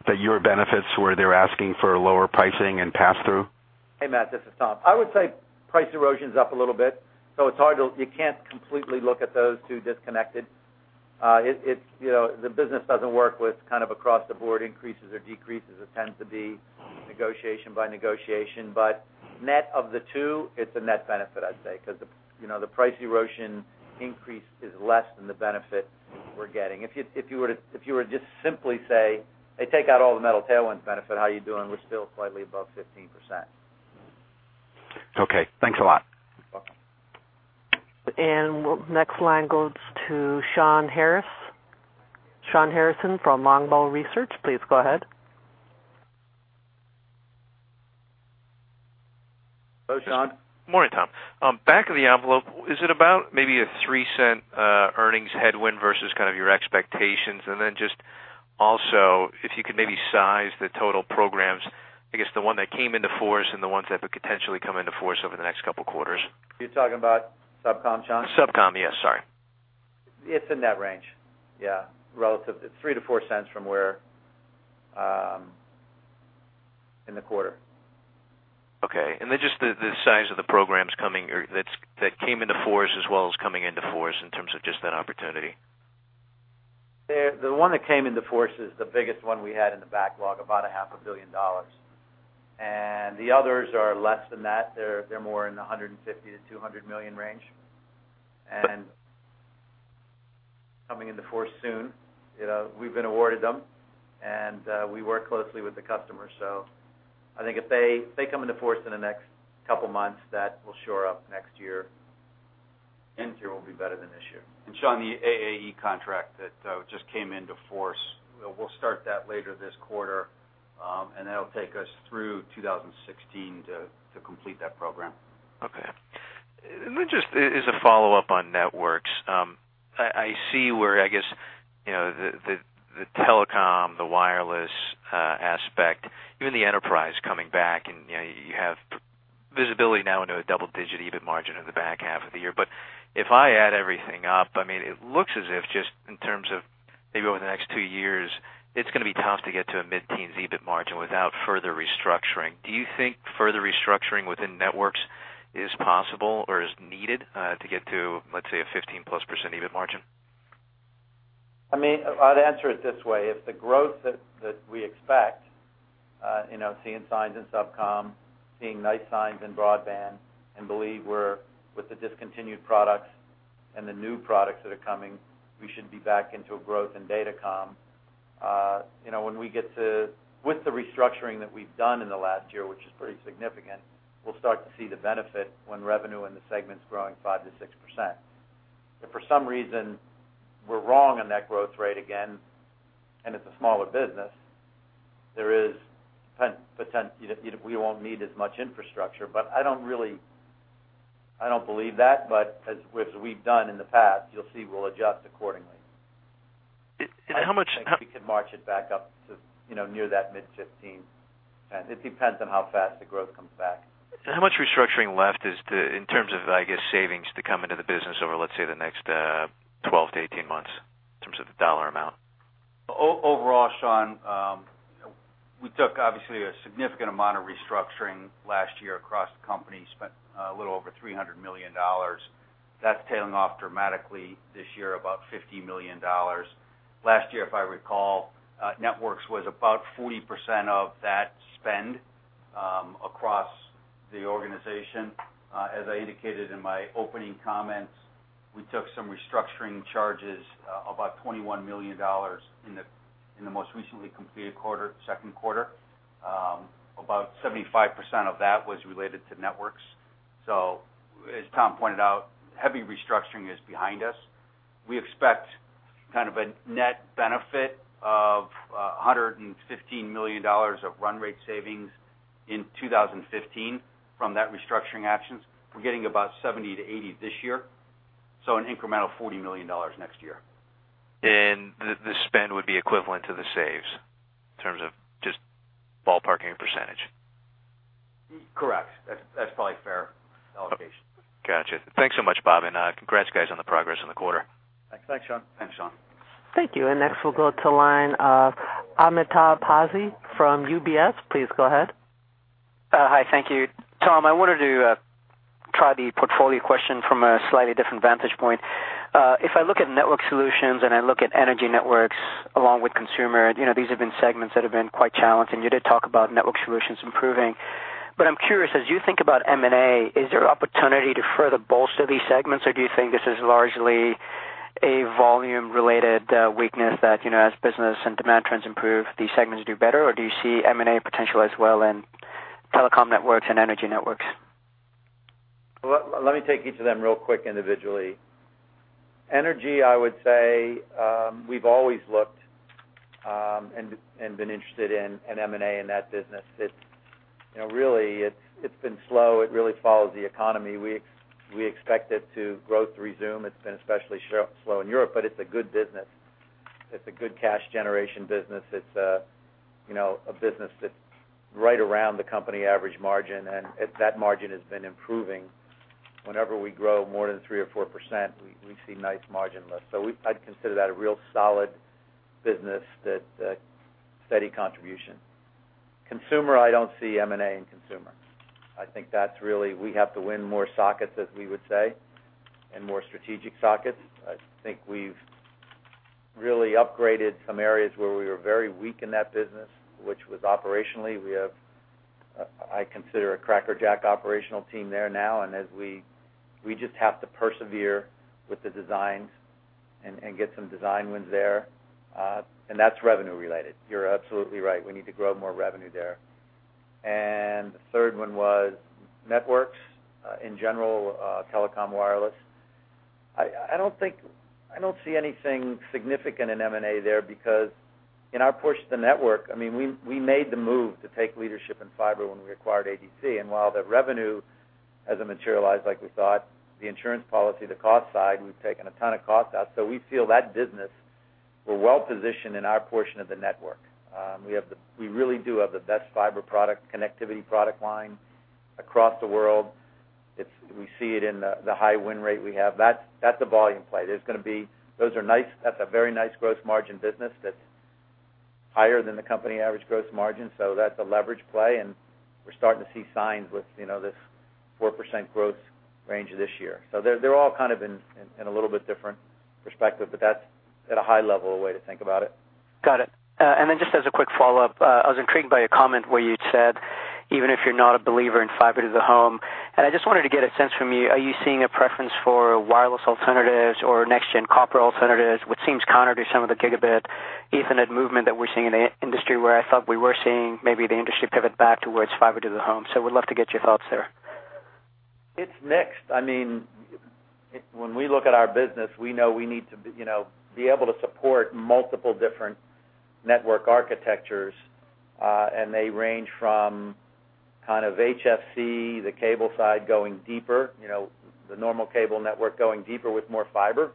[SPEAKER 10] that your benefits, where they're asking for lower pricing and pass through?
[SPEAKER 3] Hey, Matt, this is Tom. I would say price erosion's up a little bit, so it's hard to, you can't completely look at those two disconnected. It's, you know, the business doesn't work with kind of across-the-board increases or decreases. It tends to be negotiation by negotiation. But net of the two, it's a net benefit, I'd say, because the, you know, the price erosion increase is less than the benefit we're getting. If you were to just simply say, "Hey, take out all the metal tailwind benefit, how are you doing?" We're still slightly above 15%.
[SPEAKER 10] Okay, thanks a lot.
[SPEAKER 3] Welcome.
[SPEAKER 1] Next line goes to Shawn Harrison from Longbow Research. Please go ahead.
[SPEAKER 3] Hello, Shawn.
[SPEAKER 11] Morning, Tom. Back of the envelope, is it about maybe a $0.03 earnings headwind versus kind of your expectations? And then just also, if you could maybe size the total programs, I guess, the one that came into force and the ones that could potentially come into force over the next couple of quarters.
[SPEAKER 3] You're talking about SubCom, Shawn?
[SPEAKER 11] SubCom, yes, sorry.
[SPEAKER 3] It's in that range. Yeah, relatively, $0.03-$0.04 from where, in the quarter.
[SPEAKER 11] Okay. And then just the size of the programs coming or that came into force as well as coming into force in terms of just that opportunity.
[SPEAKER 3] The one that came into force is the biggest one we had in the backlog, about $500 million. And the others are less than that. They're more in the $150 million-$200 million range. And coming into force soon, you know, we've been awarded them, and we work closely with the customer. So I think if they come into force in the next couple of months, that will shore up next year, and next year will be better than this year. And Shawn, the AAE contract that just came into force, we'll start that later this quarter, and that'll take us through 2016 to complete that program.
[SPEAKER 11] Okay. And then just as a follow-up on networks, I see where, I guess, you know, the telecom, the wireless aspect, even the enterprise coming back and, you know, you have visibility now into a double-digit EBIT margin in the back half of the year. But if I add everything up, I mean, it looks as if, just in terms of maybe over the next two years, it's gonna be tough to get to a mid-teens EBIT margin without further restructuring. Do you think further restructuring within networks is possible or is needed to get to, let's say, a 15%+ EBIT margin?
[SPEAKER 3] I mean, I'd answer it this way: If the growth that, that we expect, you know, seeing signs in SubCom, seeing nice signs in broadband, and believe we're with the discontinued products and the new products that are coming, we should be back into a growth in datacom. You know, when we get to with the restructuring that we've done in the last year, which is pretty significant, we'll start to see the benefit when revenue in the segment's growing 5%-6%. If for some reason we're wrong on that growth rate again, and it's a smaller business, you know, we won't need as much infrastructure, but I don't really, I don't believe that. But as, as we've done in the past, you'll see we'll adjust accordingly.
[SPEAKER 11] How much-
[SPEAKER 3] We could march it back up to, you know, near that mid-15, and it depends on how fast the growth comes back.
[SPEAKER 11] How much restructuring left is to, in terms of, I guess, savings to come into the business over, let's say, the next 12-18 months, in terms of the dollar amount?
[SPEAKER 3] Overall, Sean, we took obviously a significant amount of restructuring last year across the company, spent a little over $300 million. That's tailing off dramatically this year, about $50 million. Last year, if I recall, Networks was about 40% of that spend across the organization. As I indicated in my opening comments, we took some restructuring charges, about $21 million in the most recently completed quarter, second quarter. About 75% of that was related to networks. So as Tom pointed out, heavy restructuring is behind us. We expect kind of a net benefit of $115 million of run rate savings in 2015 from that restructuring actions. We're getting about $70 million-$80 million this year, so an incremental $40 million next year.
[SPEAKER 11] The spend would be equivalent to the saves in terms of just ballparking a percentage?
[SPEAKER 4] Correct. That's probably a fair allocation.
[SPEAKER 11] Gotcha. Thanks so much, Bob, and congrats guys on the progress in the quarter.
[SPEAKER 3] Thanks. Thanks, Shawn.
[SPEAKER 4] Thanks, Shawn.
[SPEAKER 1] Thank you. Next, we'll go to line of Amitabh Passi from UBS. Please go ahead.
[SPEAKER 12] Hi. Thank you. Tom, I wanted to try the portfolio question from a slightly different vantage point. If I look at network solutions, and I look at energy networks along with consumer, you know, these have been segments that have been quite challenging. You did talk about network solutions improving, but I'm curious, as you think about M&A, is there opportunity to further bolster these segments? Or do you think this is largely a volume-related weakness that, you know, as business and demand trends improve, these segments do better? Or do you see M&A potential as well in telecom networks and energy networks?
[SPEAKER 3] Well, let me take each of them real quick, individually. Energy, I would say, we've always looked and been interested in an M&A in that business. It's, you know, really, it's been slow. It really follows the economy. We expect it to growth to resume. It's been especially slow in Europe, but it's a good business. It's a, you know, a business that's right around the company average margin, and that margin has been improving. Whenever we grow more than 3% or 4%, we see nice margin lifts. So I'd consider that a real solid business, that steady contribution. Consumer, I don't see M&A in consumer. I think that's really, we have to win more sockets, as we would say, and more strategic sockets. I think we've really upgraded some areas where we were very weak in that business, which was operationally. We have, I consider a crackerjack operational team there now, and as we just have to persevere with the designs and get some design wins there. And that's revenue related. You're absolutely right. We need to grow more revenue there. And the third one was networks in general, telecom, wireless. I don't think. I don't see anything significant in M&A there because in our push to network, I mean, we made the move to take leadership in fiber when we acquired ADC. And while the revenue hasn't materialized like we thought, the insurance policy, the cost side, we've taken a ton of cost out. So we feel that business. We're well positioned in our portion of the network. We really do have the best fiber product, connectivity product line across the world. It's—we see it in the high win rate we have. That's a volume play. That's a very nice gross margin business that's higher than the company average gross margin, so that's a leverage play, and we're starting to see signs with, you know, this 4% growth range this year. So they're all kind of in a little bit different perspective, but that's at a high level, a way to think about it.
[SPEAKER 12] Got it. And then just as a quick follow-up, I was intrigued by a comment where you'd said, even if you're not a believer in fiber to the home, and I just wanted to get a sense from you, are you seeing a preference for wireless alternatives or next gen copper alternatives, which seems counter to some of the gigabit ethernet movement that we're seeing in the industry, where I thought we were seeing maybe the industry pivot back towards fiber to the home. So would love to get your thoughts there.
[SPEAKER 3] It's mixed. I mean, when we look at our business, we know we need to be, you know, be able to support multiple different network architectures, and they range from kind of HFC, the cable side, going deeper, you know, the normal cable network going deeper with more fiber.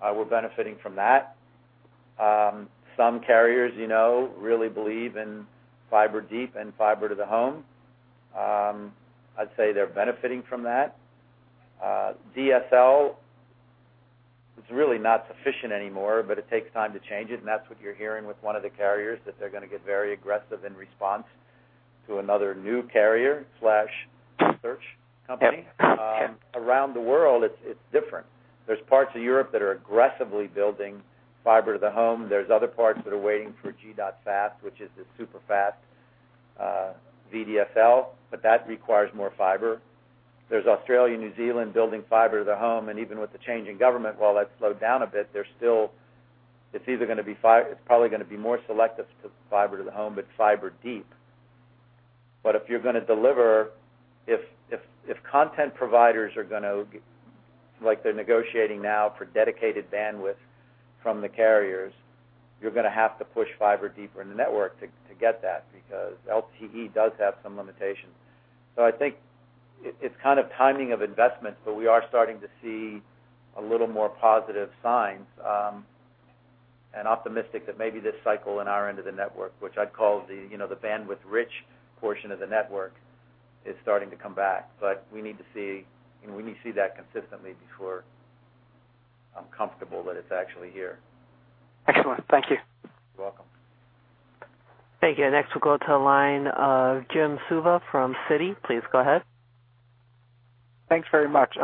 [SPEAKER 3] We're benefiting from that. Some carriers, you know, really believe in fiber deep and fiber to the home. I'd say they're benefiting from that. DSL is really not sufficient anymore, but it takes time to change it, and that's what you're hearing with one of the carriers, that they're gonna get very aggressive in response to another new carrier slash search company.
[SPEAKER 12] Yep.
[SPEAKER 3] Around the world, it's different. There's parts of Europe that are aggressively building fiber to the home. There's other parts that are waiting for G.fast, which is the super fast VDSL, but that requires more fiber. There's Australia, New Zealand, building fiber to the home, and even with the change in government, while that's slowed down a bit, they're still... It's either gonna be it's probably gonna be more selective to fiber to the home, but fiber deep. But if you're gonna deliver, if content providers are gonna, like they're negotiating now for dedicated bandwidth from the carriers, you're gonna have to push fiber deeper in the network to get that, because LTE does have some limitations. So I think it's kind of timing of investments, but we are starting to see a little more positive signs, and optimistic that maybe this cycle in our end of the network, which I'd call the, you know, the bandwidth-rich portion of the network, is starting to come back. But we need to see, you know, we need to see that consistently before I'm comfortable that it's actually here.
[SPEAKER 12] Excellent. Thank you.
[SPEAKER 3] You're welcome.
[SPEAKER 1] Thank you. Next, we'll go to the line of Jim Suva from Citi. Please go ahead.
[SPEAKER 13] ...Thanks very much.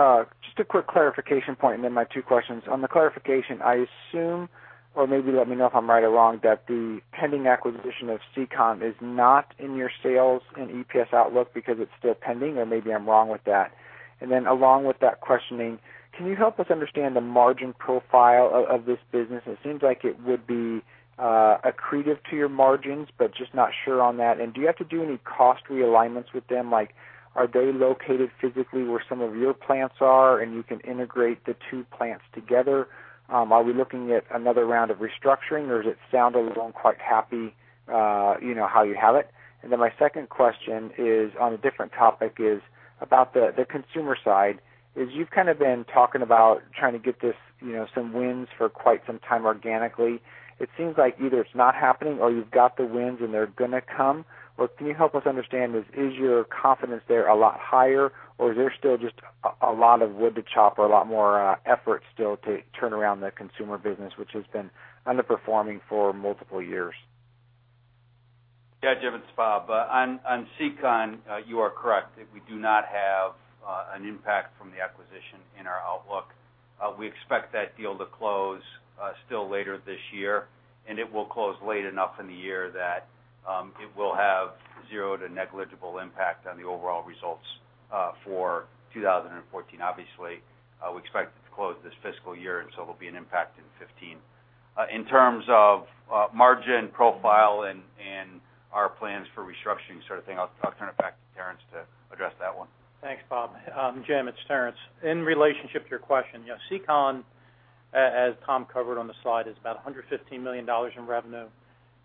[SPEAKER 13] Just a quick clarification point, and then my two questions. On the clarification, I assume, or maybe let me know if I'm right or wrong, that the pending acquisition of SEACON is not in your sales and EPS outlook because it's still pending, or maybe I'm wrong with that. And then along with that questioning, can you help us understand the margin profile of this business? It seems like it would be accretive to your margins, but just not sure on that. And do you have to do any cost realignments with them? Like, are they located physically where some of your plants are and you can integrate the two plants together? Are we looking at another round of restructuring, or does it sound as though I'm quite happy, you know, how you have it? And then my second question is on a different topic, is about the consumer side. Is you've kind of been talking about trying to get this, you know, some wins for quite some time organically. It seems like either it's not happening or you've got the wins and they're gonna come. But can you help us understand this? Is your confidence there a lot higher, or is there still just a lot of wood to chop or a lot more effort still to turn around the consumer business, which has been underperforming for multiple years?
[SPEAKER 4] Yeah, Jim, it's Bob. On SEACON, you are correct that we do not have an impact from the acquisition in our outlook. We expect that deal to close still later this year, and it will close late enough in the year that it will have zero to negligible impact on the overall results for 2014. Obviously, we expect it to close this fiscal year, and so it'll be an impact in 2015. In terms of margin profile and our plans for restructuring sort of thing, I'll turn it back to Terrence to address that one.
[SPEAKER 14] Thanks, Bob. Jim, it's Terrence. In relationship to your question, you know, SEACON, as Tom covered on the slide, is about $115 million in revenue,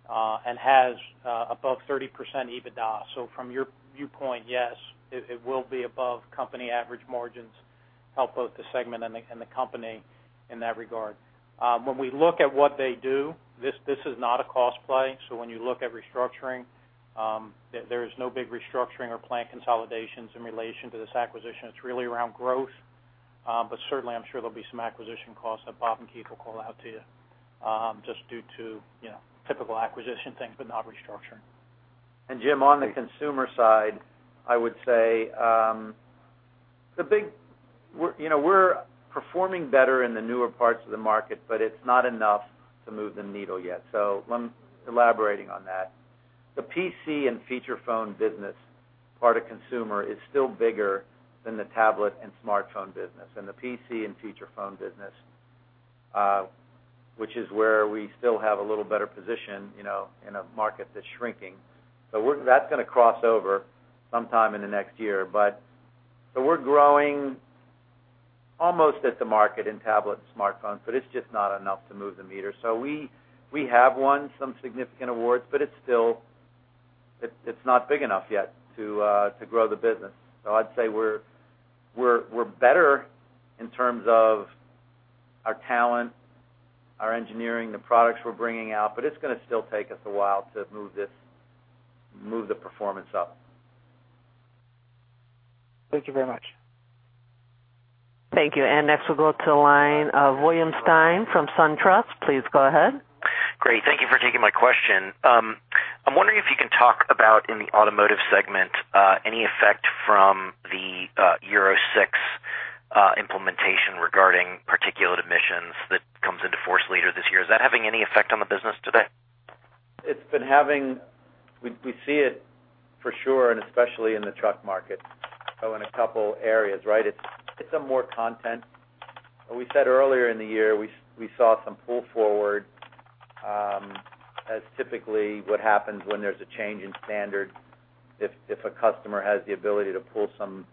[SPEAKER 14] and has above 30% EBITDA. So from your viewpoint, yes, it will be above company average margins, help both the segment and the company in that regard. When we look at what they do, this is not a cost play, so when you look at restructuring, there is no big restructuring or plant consolidations in relation to this acquisition. It's really around growth, but certainly, I'm sure there'll be some acquisition costs that Bob and Keith will call out to you, just due to, you know, typical acquisition things, but not restructuring.
[SPEAKER 3] Jim, on the consumer side, I would say, we're, you know, we're performing better in the newer parts of the market, but it's not enough to move the needle yet. So let me. Elaborating on that, the PC and feature phone business part of consumer is still bigger than the tablet and smartphone business. The PC and feature phone business, which is where we still have a little better position, you know, in a market that's shrinking. That's gonna cross over sometime in the next year, but. So we're growing almost at the market in tablet and smartphones, but it's just not enough to move the meter. So we have won some significant awards, but it's still, it's not big enough yet to to grow the business. I'd say we're better in terms of our talent, our engineering, the products we're bringing out, but it's gonna still take us a while to move the performance up.
[SPEAKER 13] Thank you very much.
[SPEAKER 1] Thank you. And next, we'll go to the line of William Stein from SunTrust. Please go ahead.
[SPEAKER 15] Great. Thank you for taking my question. I'm wondering if you can talk about, in the automotive segment, any effect from the, Euro 6, implementation regarding particulate emissions that comes into force later this year. Is that having any effect on the business today?
[SPEAKER 3] We see it for sure, and especially in the truck market, so in a couple areas, right? It's some more content. We said earlier in the year, we saw some pull forward, as typically what happens when there's a change in standard. If a customer has the ability to pull some,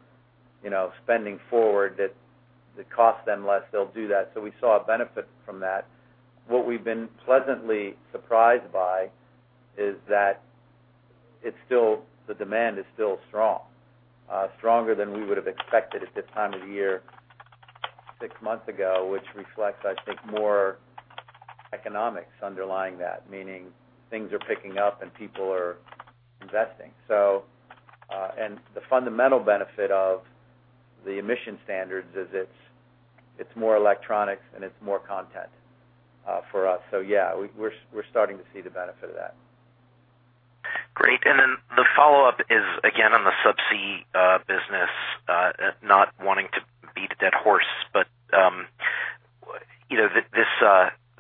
[SPEAKER 3] you know, spending forward, that it costs them less, they'll do that. So we saw a benefit from that. What we've been pleasantly surprised by is that it's still the demand is still strong, stronger than we would have expected at this time of year, six months ago, which reflects, I think, more economics underlying that, meaning things are picking up and people are investing. So, and the fundamental benefit of the emission standards is it's more electronics and it's more content for us. So yeah, we're starting to see the benefit of that.
[SPEAKER 15] Great. And then the follow-up is, again, on the subsea business. Not wanting to beat a dead horse, but, you know,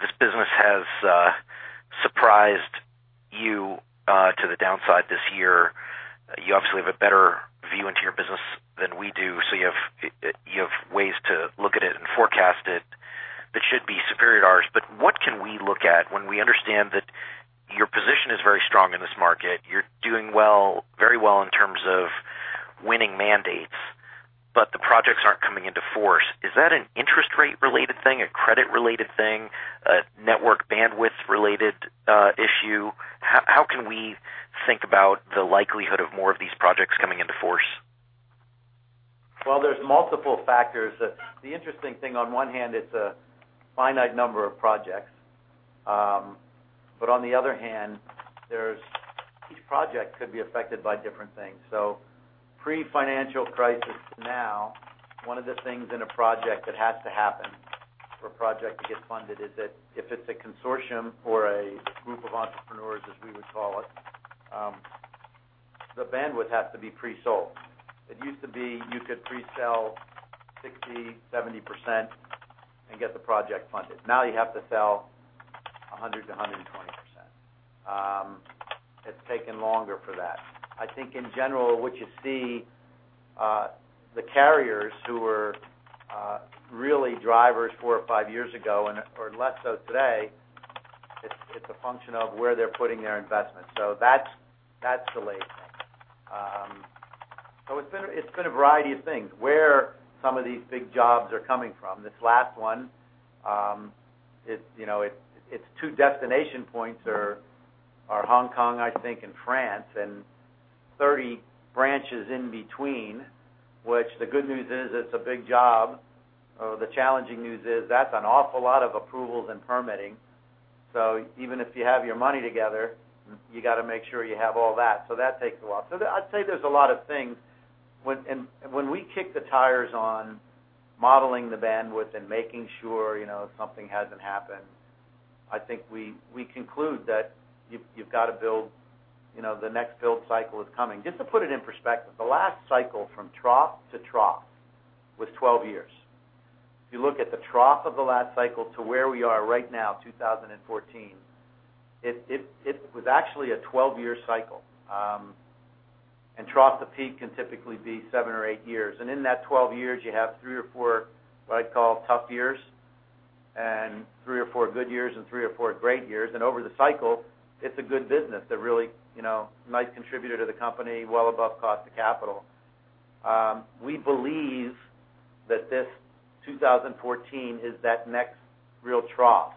[SPEAKER 15] this business has surprised you to the downside this year. You obviously have a better view into your business than we do, so you have ways to look at it and forecast it that should be superior to ours. But what can we look at when we understand that your position is very strong in this market, you're doing well, very well in terms of winning mandates, but the projects aren't coming into force? Is that an interest rate-related thing, a credit-related thing, a network bandwidth-related issue? How can we think about the likelihood of more of these projects coming into force?
[SPEAKER 3] Well, there's multiple factors. The interesting thing, on one hand, it's a finite number of projects. But on the other hand, there's each project could be affected by different things. So pre-financial crisis to now, one of the things in a project that has to happen for a project to get funded is that if it's a consortium or a group of entrepreneurs, as we would call it, the bandwidth has to be pre-sold. It used to be you could pre-sell 60%-70% and get the project funded. Now you have to sell 100%-120%. It's taken longer for that. I think in general, what you see, the carriers who were really drivers 4 or 5 years ago and are less so today, it's a function of where they're putting their investments. So that's the latest thing. So it's been a variety of things where some of these big jobs are coming from. This last one, you know, it's two destination points are Hong Kong, I think, and France, and 30 branches in between, which the good news is, it's a big job. The challenging news is that's an awful lot of approvals and permitting. So even if you have your money together, you got to make sure you have all that. So that takes a while. So I'd say there's a lot of things. When we kick the tires on modeling the bandwidth and making sure, you know, something hasn't happened, I think we conclude that you've got to build, you know, the next build cycle is coming. Just to put it in perspective, the last cycle from trough to trough was 12 years. If you look at the trough of the last cycle to where we are right now, 2014, it was actually a 12-year cycle. Trough to peak can typically be 7 or 8 years. In that 12 years, you have 3 or 4, what I'd call, tough years, and 3 or 4 good years, and 3 or 4 great years. Over the cycle, it's a good business, a really, you know, nice contributor to the company, well above cost of capital. We believe that this 2014 is that next real trough,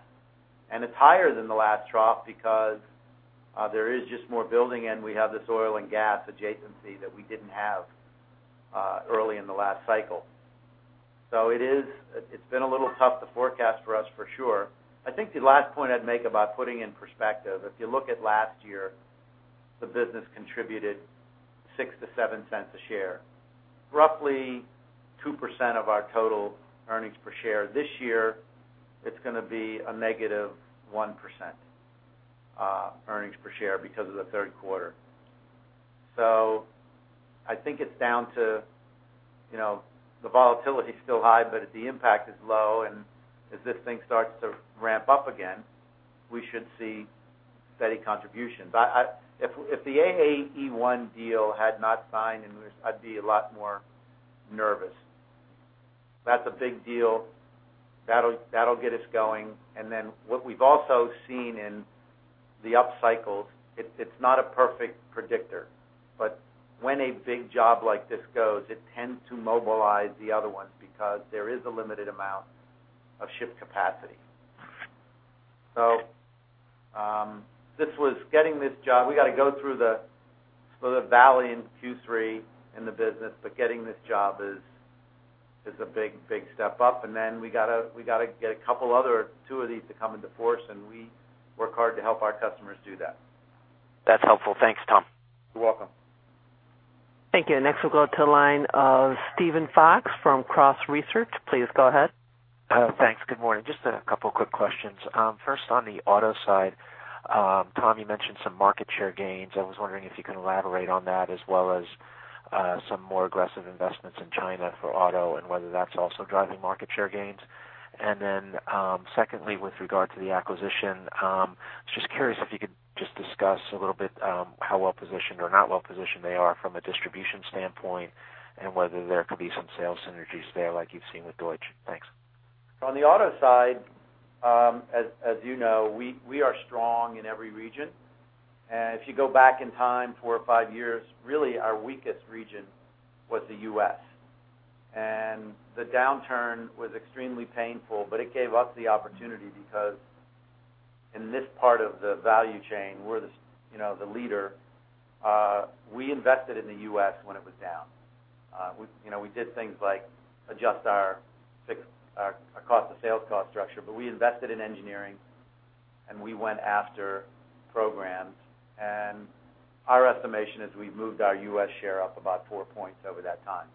[SPEAKER 3] and it's higher than the last trough because there is just more building, and we have this oil and gas adjacency that we didn't have early in the last cycle. So it is—it's been a little tough to forecast for us for sure. I think the last point I'd make about putting in perspective, if you look at last year, the business contributed $0.06-$0.07 a share, roughly 2% of our total earnings per share. This year, it's gonna be a negative 1%, earnings per share because of the third quarter. So I think it's down to, you know, the volatility is still high, but the impact is low, and as this thing starts to ramp up again, we should see steady contributions. If the AAE-1 deal had not signed, then I'd be a lot more nervous. That's a big deal. That'll get us going. And then what we've also seen in the upcycles, it's not a perfect predictor, but when a big job like this goes, it tends to mobilize the other ones because there is a limited amount of ship capacity. So, this was getting this job. We got to go through the valley in Q3 in the business, but getting this job is a big, big step up. And then we gotta get a couple other two of these to come into force, and we work hard to help our customers do that.
[SPEAKER 15] That's helpful. Thanks, Tom.
[SPEAKER 3] You're welcome.
[SPEAKER 1] Thank you. Next, we'll go to the line of Steven Fox from Cross Research. Please go ahead.
[SPEAKER 16] Thanks. Good morning. Just a couple quick questions. First, on the auto side, Tom, you mentioned some market share gains. I was wondering if you could elaborate on that, as well as some more aggressive investments in China for auto and whether that's also driving market share gains. And then, secondly, with regard to the acquisition, I was just curious if you could just discuss a little bit how well positioned or not well positioned they are from a distribution standpoint, and whether there could be some sales synergies there like you've seen with Deutsch. Thanks.
[SPEAKER 3] On the auto side, as you know, we are strong in every region. If you go back in time, four or five years, really, our weakest region was the U.S. And the downturn was extremely painful, but it gave us the opportunity because in this part of the value chain, we're the, you know, the leader. We invested in the U.S. when it was down. You know, we did things like adjust our cost to sales cost structure, but we invested in engineering, and we went after programs. And our estimation is we've moved our U.S. share up about four points over that time.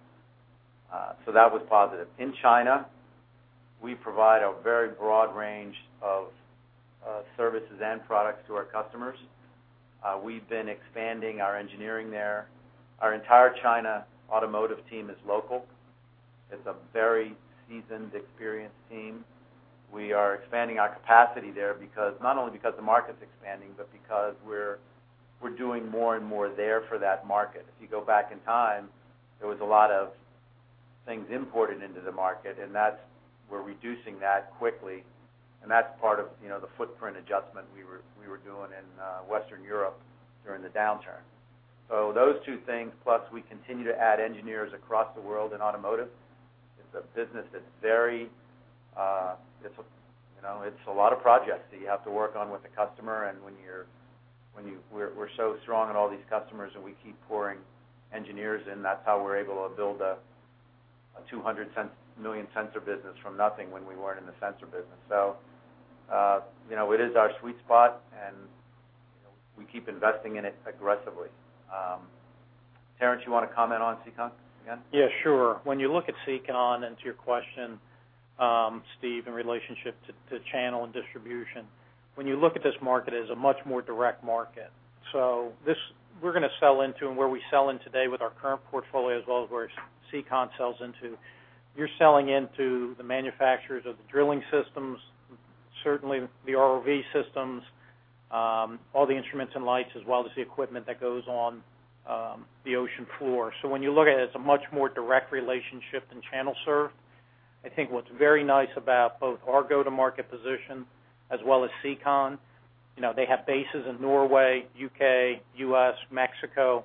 [SPEAKER 3] So that was positive. In China, we provide a very broad range of services and products to our customers. We've been expanding our engineering there. Our entire China automotive team is local. It's a very seasoned, experienced team. We are expanding our capacity there because, not only because the market's expanding, but because we're, we're doing more and more there for that market. If you go back in time, there was a lot of things imported into the market, and that's, we're reducing that quickly, and that's part of, you know, the footprint adjustment we were, we were doing in Western Europe during the downturn. So those two things, plus we continue to add engineers across the world in automotive. It's a business that's very, it's, you know, it's a lot of projects that you have to work on with the customer, and when you're, when you-- we're, we're so strong on all these customers, and we keep pouring engineers in, that's how we're able to build a $200 million sensor business from nothing when we weren't in the sensor business. So, you know, it is our sweet spot. We keep investing in it aggressively. Terrence, you want to comment on SEACON again?
[SPEAKER 14] Yeah, sure. When you look at SEACON, and to your question, Steve, in relationship to channel and distribution, when you look at this market, it is a much more direct market. So this—we're going to sell into and where we sell in today with our current portfolio, as well as where SEACON sells into, you're selling into the manufacturers of the drilling systems, certainly the ROV systems, all the instruments and lights, as well as the equipment that goes on the ocean floor. So when you look at it, it's a much more direct relationship than channel serve. I think what's very nice about both our go-to-market position as well as SEACON, you know, they have bases in Norway, U.K., U.S., Mexico,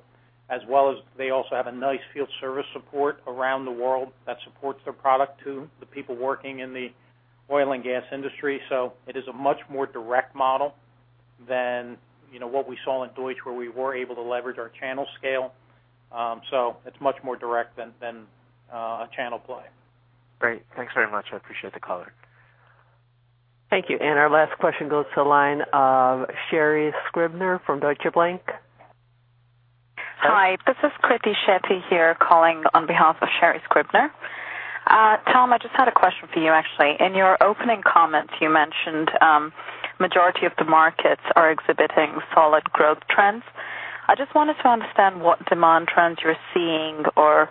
[SPEAKER 14] as well as they also have a nice field service support around the world that supports their product to the people working in the oil and gas industry. So it is a much more direct model than, you know, what we saw in DEUTSCH, where we were able to leverage our channel scale. So it's much more direct than, than, a channel play.
[SPEAKER 16] Great. Thanks very much. I appreciate the color.
[SPEAKER 1] Thank you. Our last question goes to the line of Sherry Scribner from Deutsche Bank.
[SPEAKER 17] Hi, this is Kirti Shetty here, calling on behalf of Sherry Scribner. Tom, I just had a question for you, actually. In your opening comments, you mentioned majority of the markets are exhibiting solid growth trends. I just wanted to understand what demand trends you're seeing, or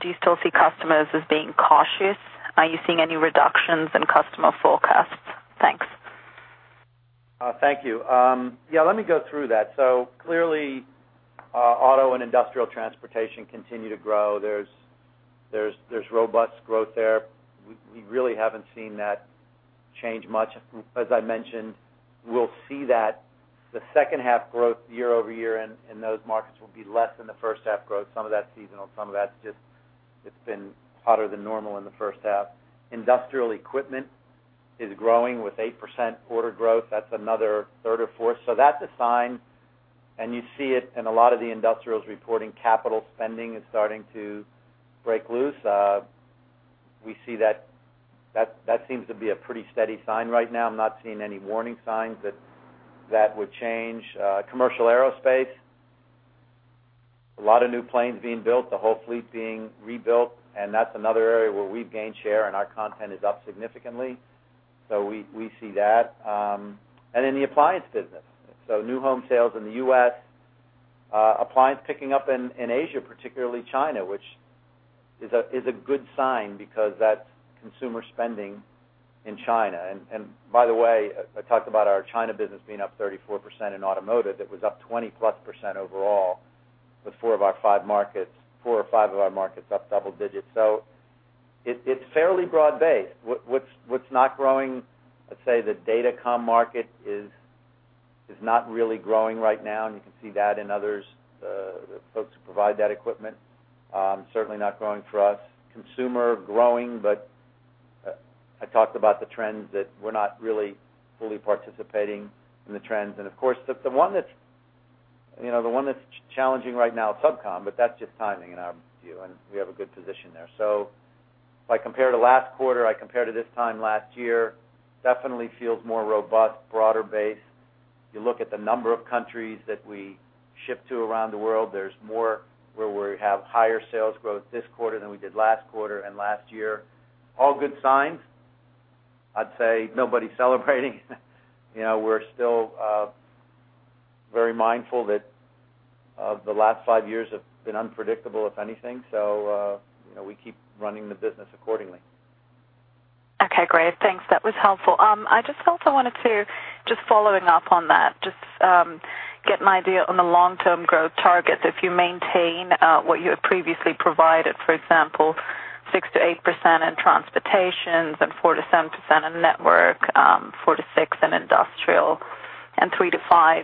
[SPEAKER 17] do you still see customers as being cautious? Are you seeing any reductions in customer forecasts? Thanks.
[SPEAKER 3] Thank you. Yeah, let me go through that. So clearly, auto and industrial transportation continue to grow. There's robust growth there. We really haven't seen that change much. As I mentioned, we'll see that the second half growth year-over-year in those markets will be less than the first half growth. Some of that's seasonal, some of that's just it's been hotter than normal in the first half. Industrial equipment is growing with 8% order growth. That's another third or fourth. So that's a sign, and you see it in a lot of the industrials reporting. Capital spending is starting to break loose. We see that. That seems to be a pretty steady sign right now. I'm not seeing any warning signs that that would change. Commercial aerospace, a lot of new planes being built, the whole fleet being rebuilt, and that's another area where we've gained share, and our content is up significantly. So we see that. And in the appliance business, new home sales in the U.S., appliance picking up in Asia, particularly China, which is a good sign because that's consumer spending in China. And by the way, I talked about our China business being up 34% in automotive. It was up 20+% overall, with four of our five markets, four or five of our markets up double digits. So it's fairly broad-based. What's not growing, I'd say the datacom market is not really growing right now, and you can see that in others, folks who provide that equipment. Certainly not growing for us. Consumer, growing, but I talked about the trends that we're not really fully participating in the trends. And of course, the one that's, you know, the one that's challenging right now is SubCom, but that's just timing in our view, and we have a good position there. So if I compare to last quarter, I compare to this time last year, definitely feels more robust, broader base. You look at the number of countries that we ship to around the world, there's more where we have higher sales growth this quarter than we did last quarter and last year. All good signs. I'd say nobody's celebrating. You know, we're still very mindful that the last five years have been unpredictable, if anything, so you know, we keep running the business accordingly.
[SPEAKER 17] Okay, great. Thanks. That was helpful. I just also wanted to, just following up on that, just, get an idea on the long-term growth targets. If you maintain, what you had previously provided, for example, 6%-8% in transportation and 4%-7% in network, four to six in industrial, and 3%-5%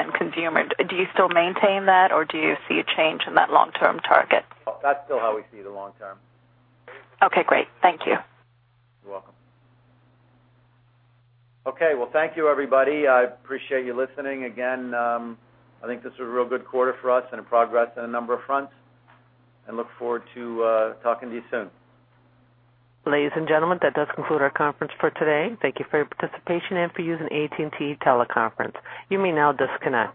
[SPEAKER 17] in consumer, do you still maintain that, or do you see a change in that long-term target?
[SPEAKER 3] That's still how we see the long term.
[SPEAKER 17] Okay, great. Thank you.
[SPEAKER 3] You're welcome. Okay, well, thank you, everybody. I appreciate you listening. Again, I think this is a real good quarter for us and a progress on a number of fronts, and look forward to talking to you soon.
[SPEAKER 1] Ladies and gentlemen, that does conclude our conference for today. Thank you for your participation and for using AT&T Teleconference. You may now disconnect.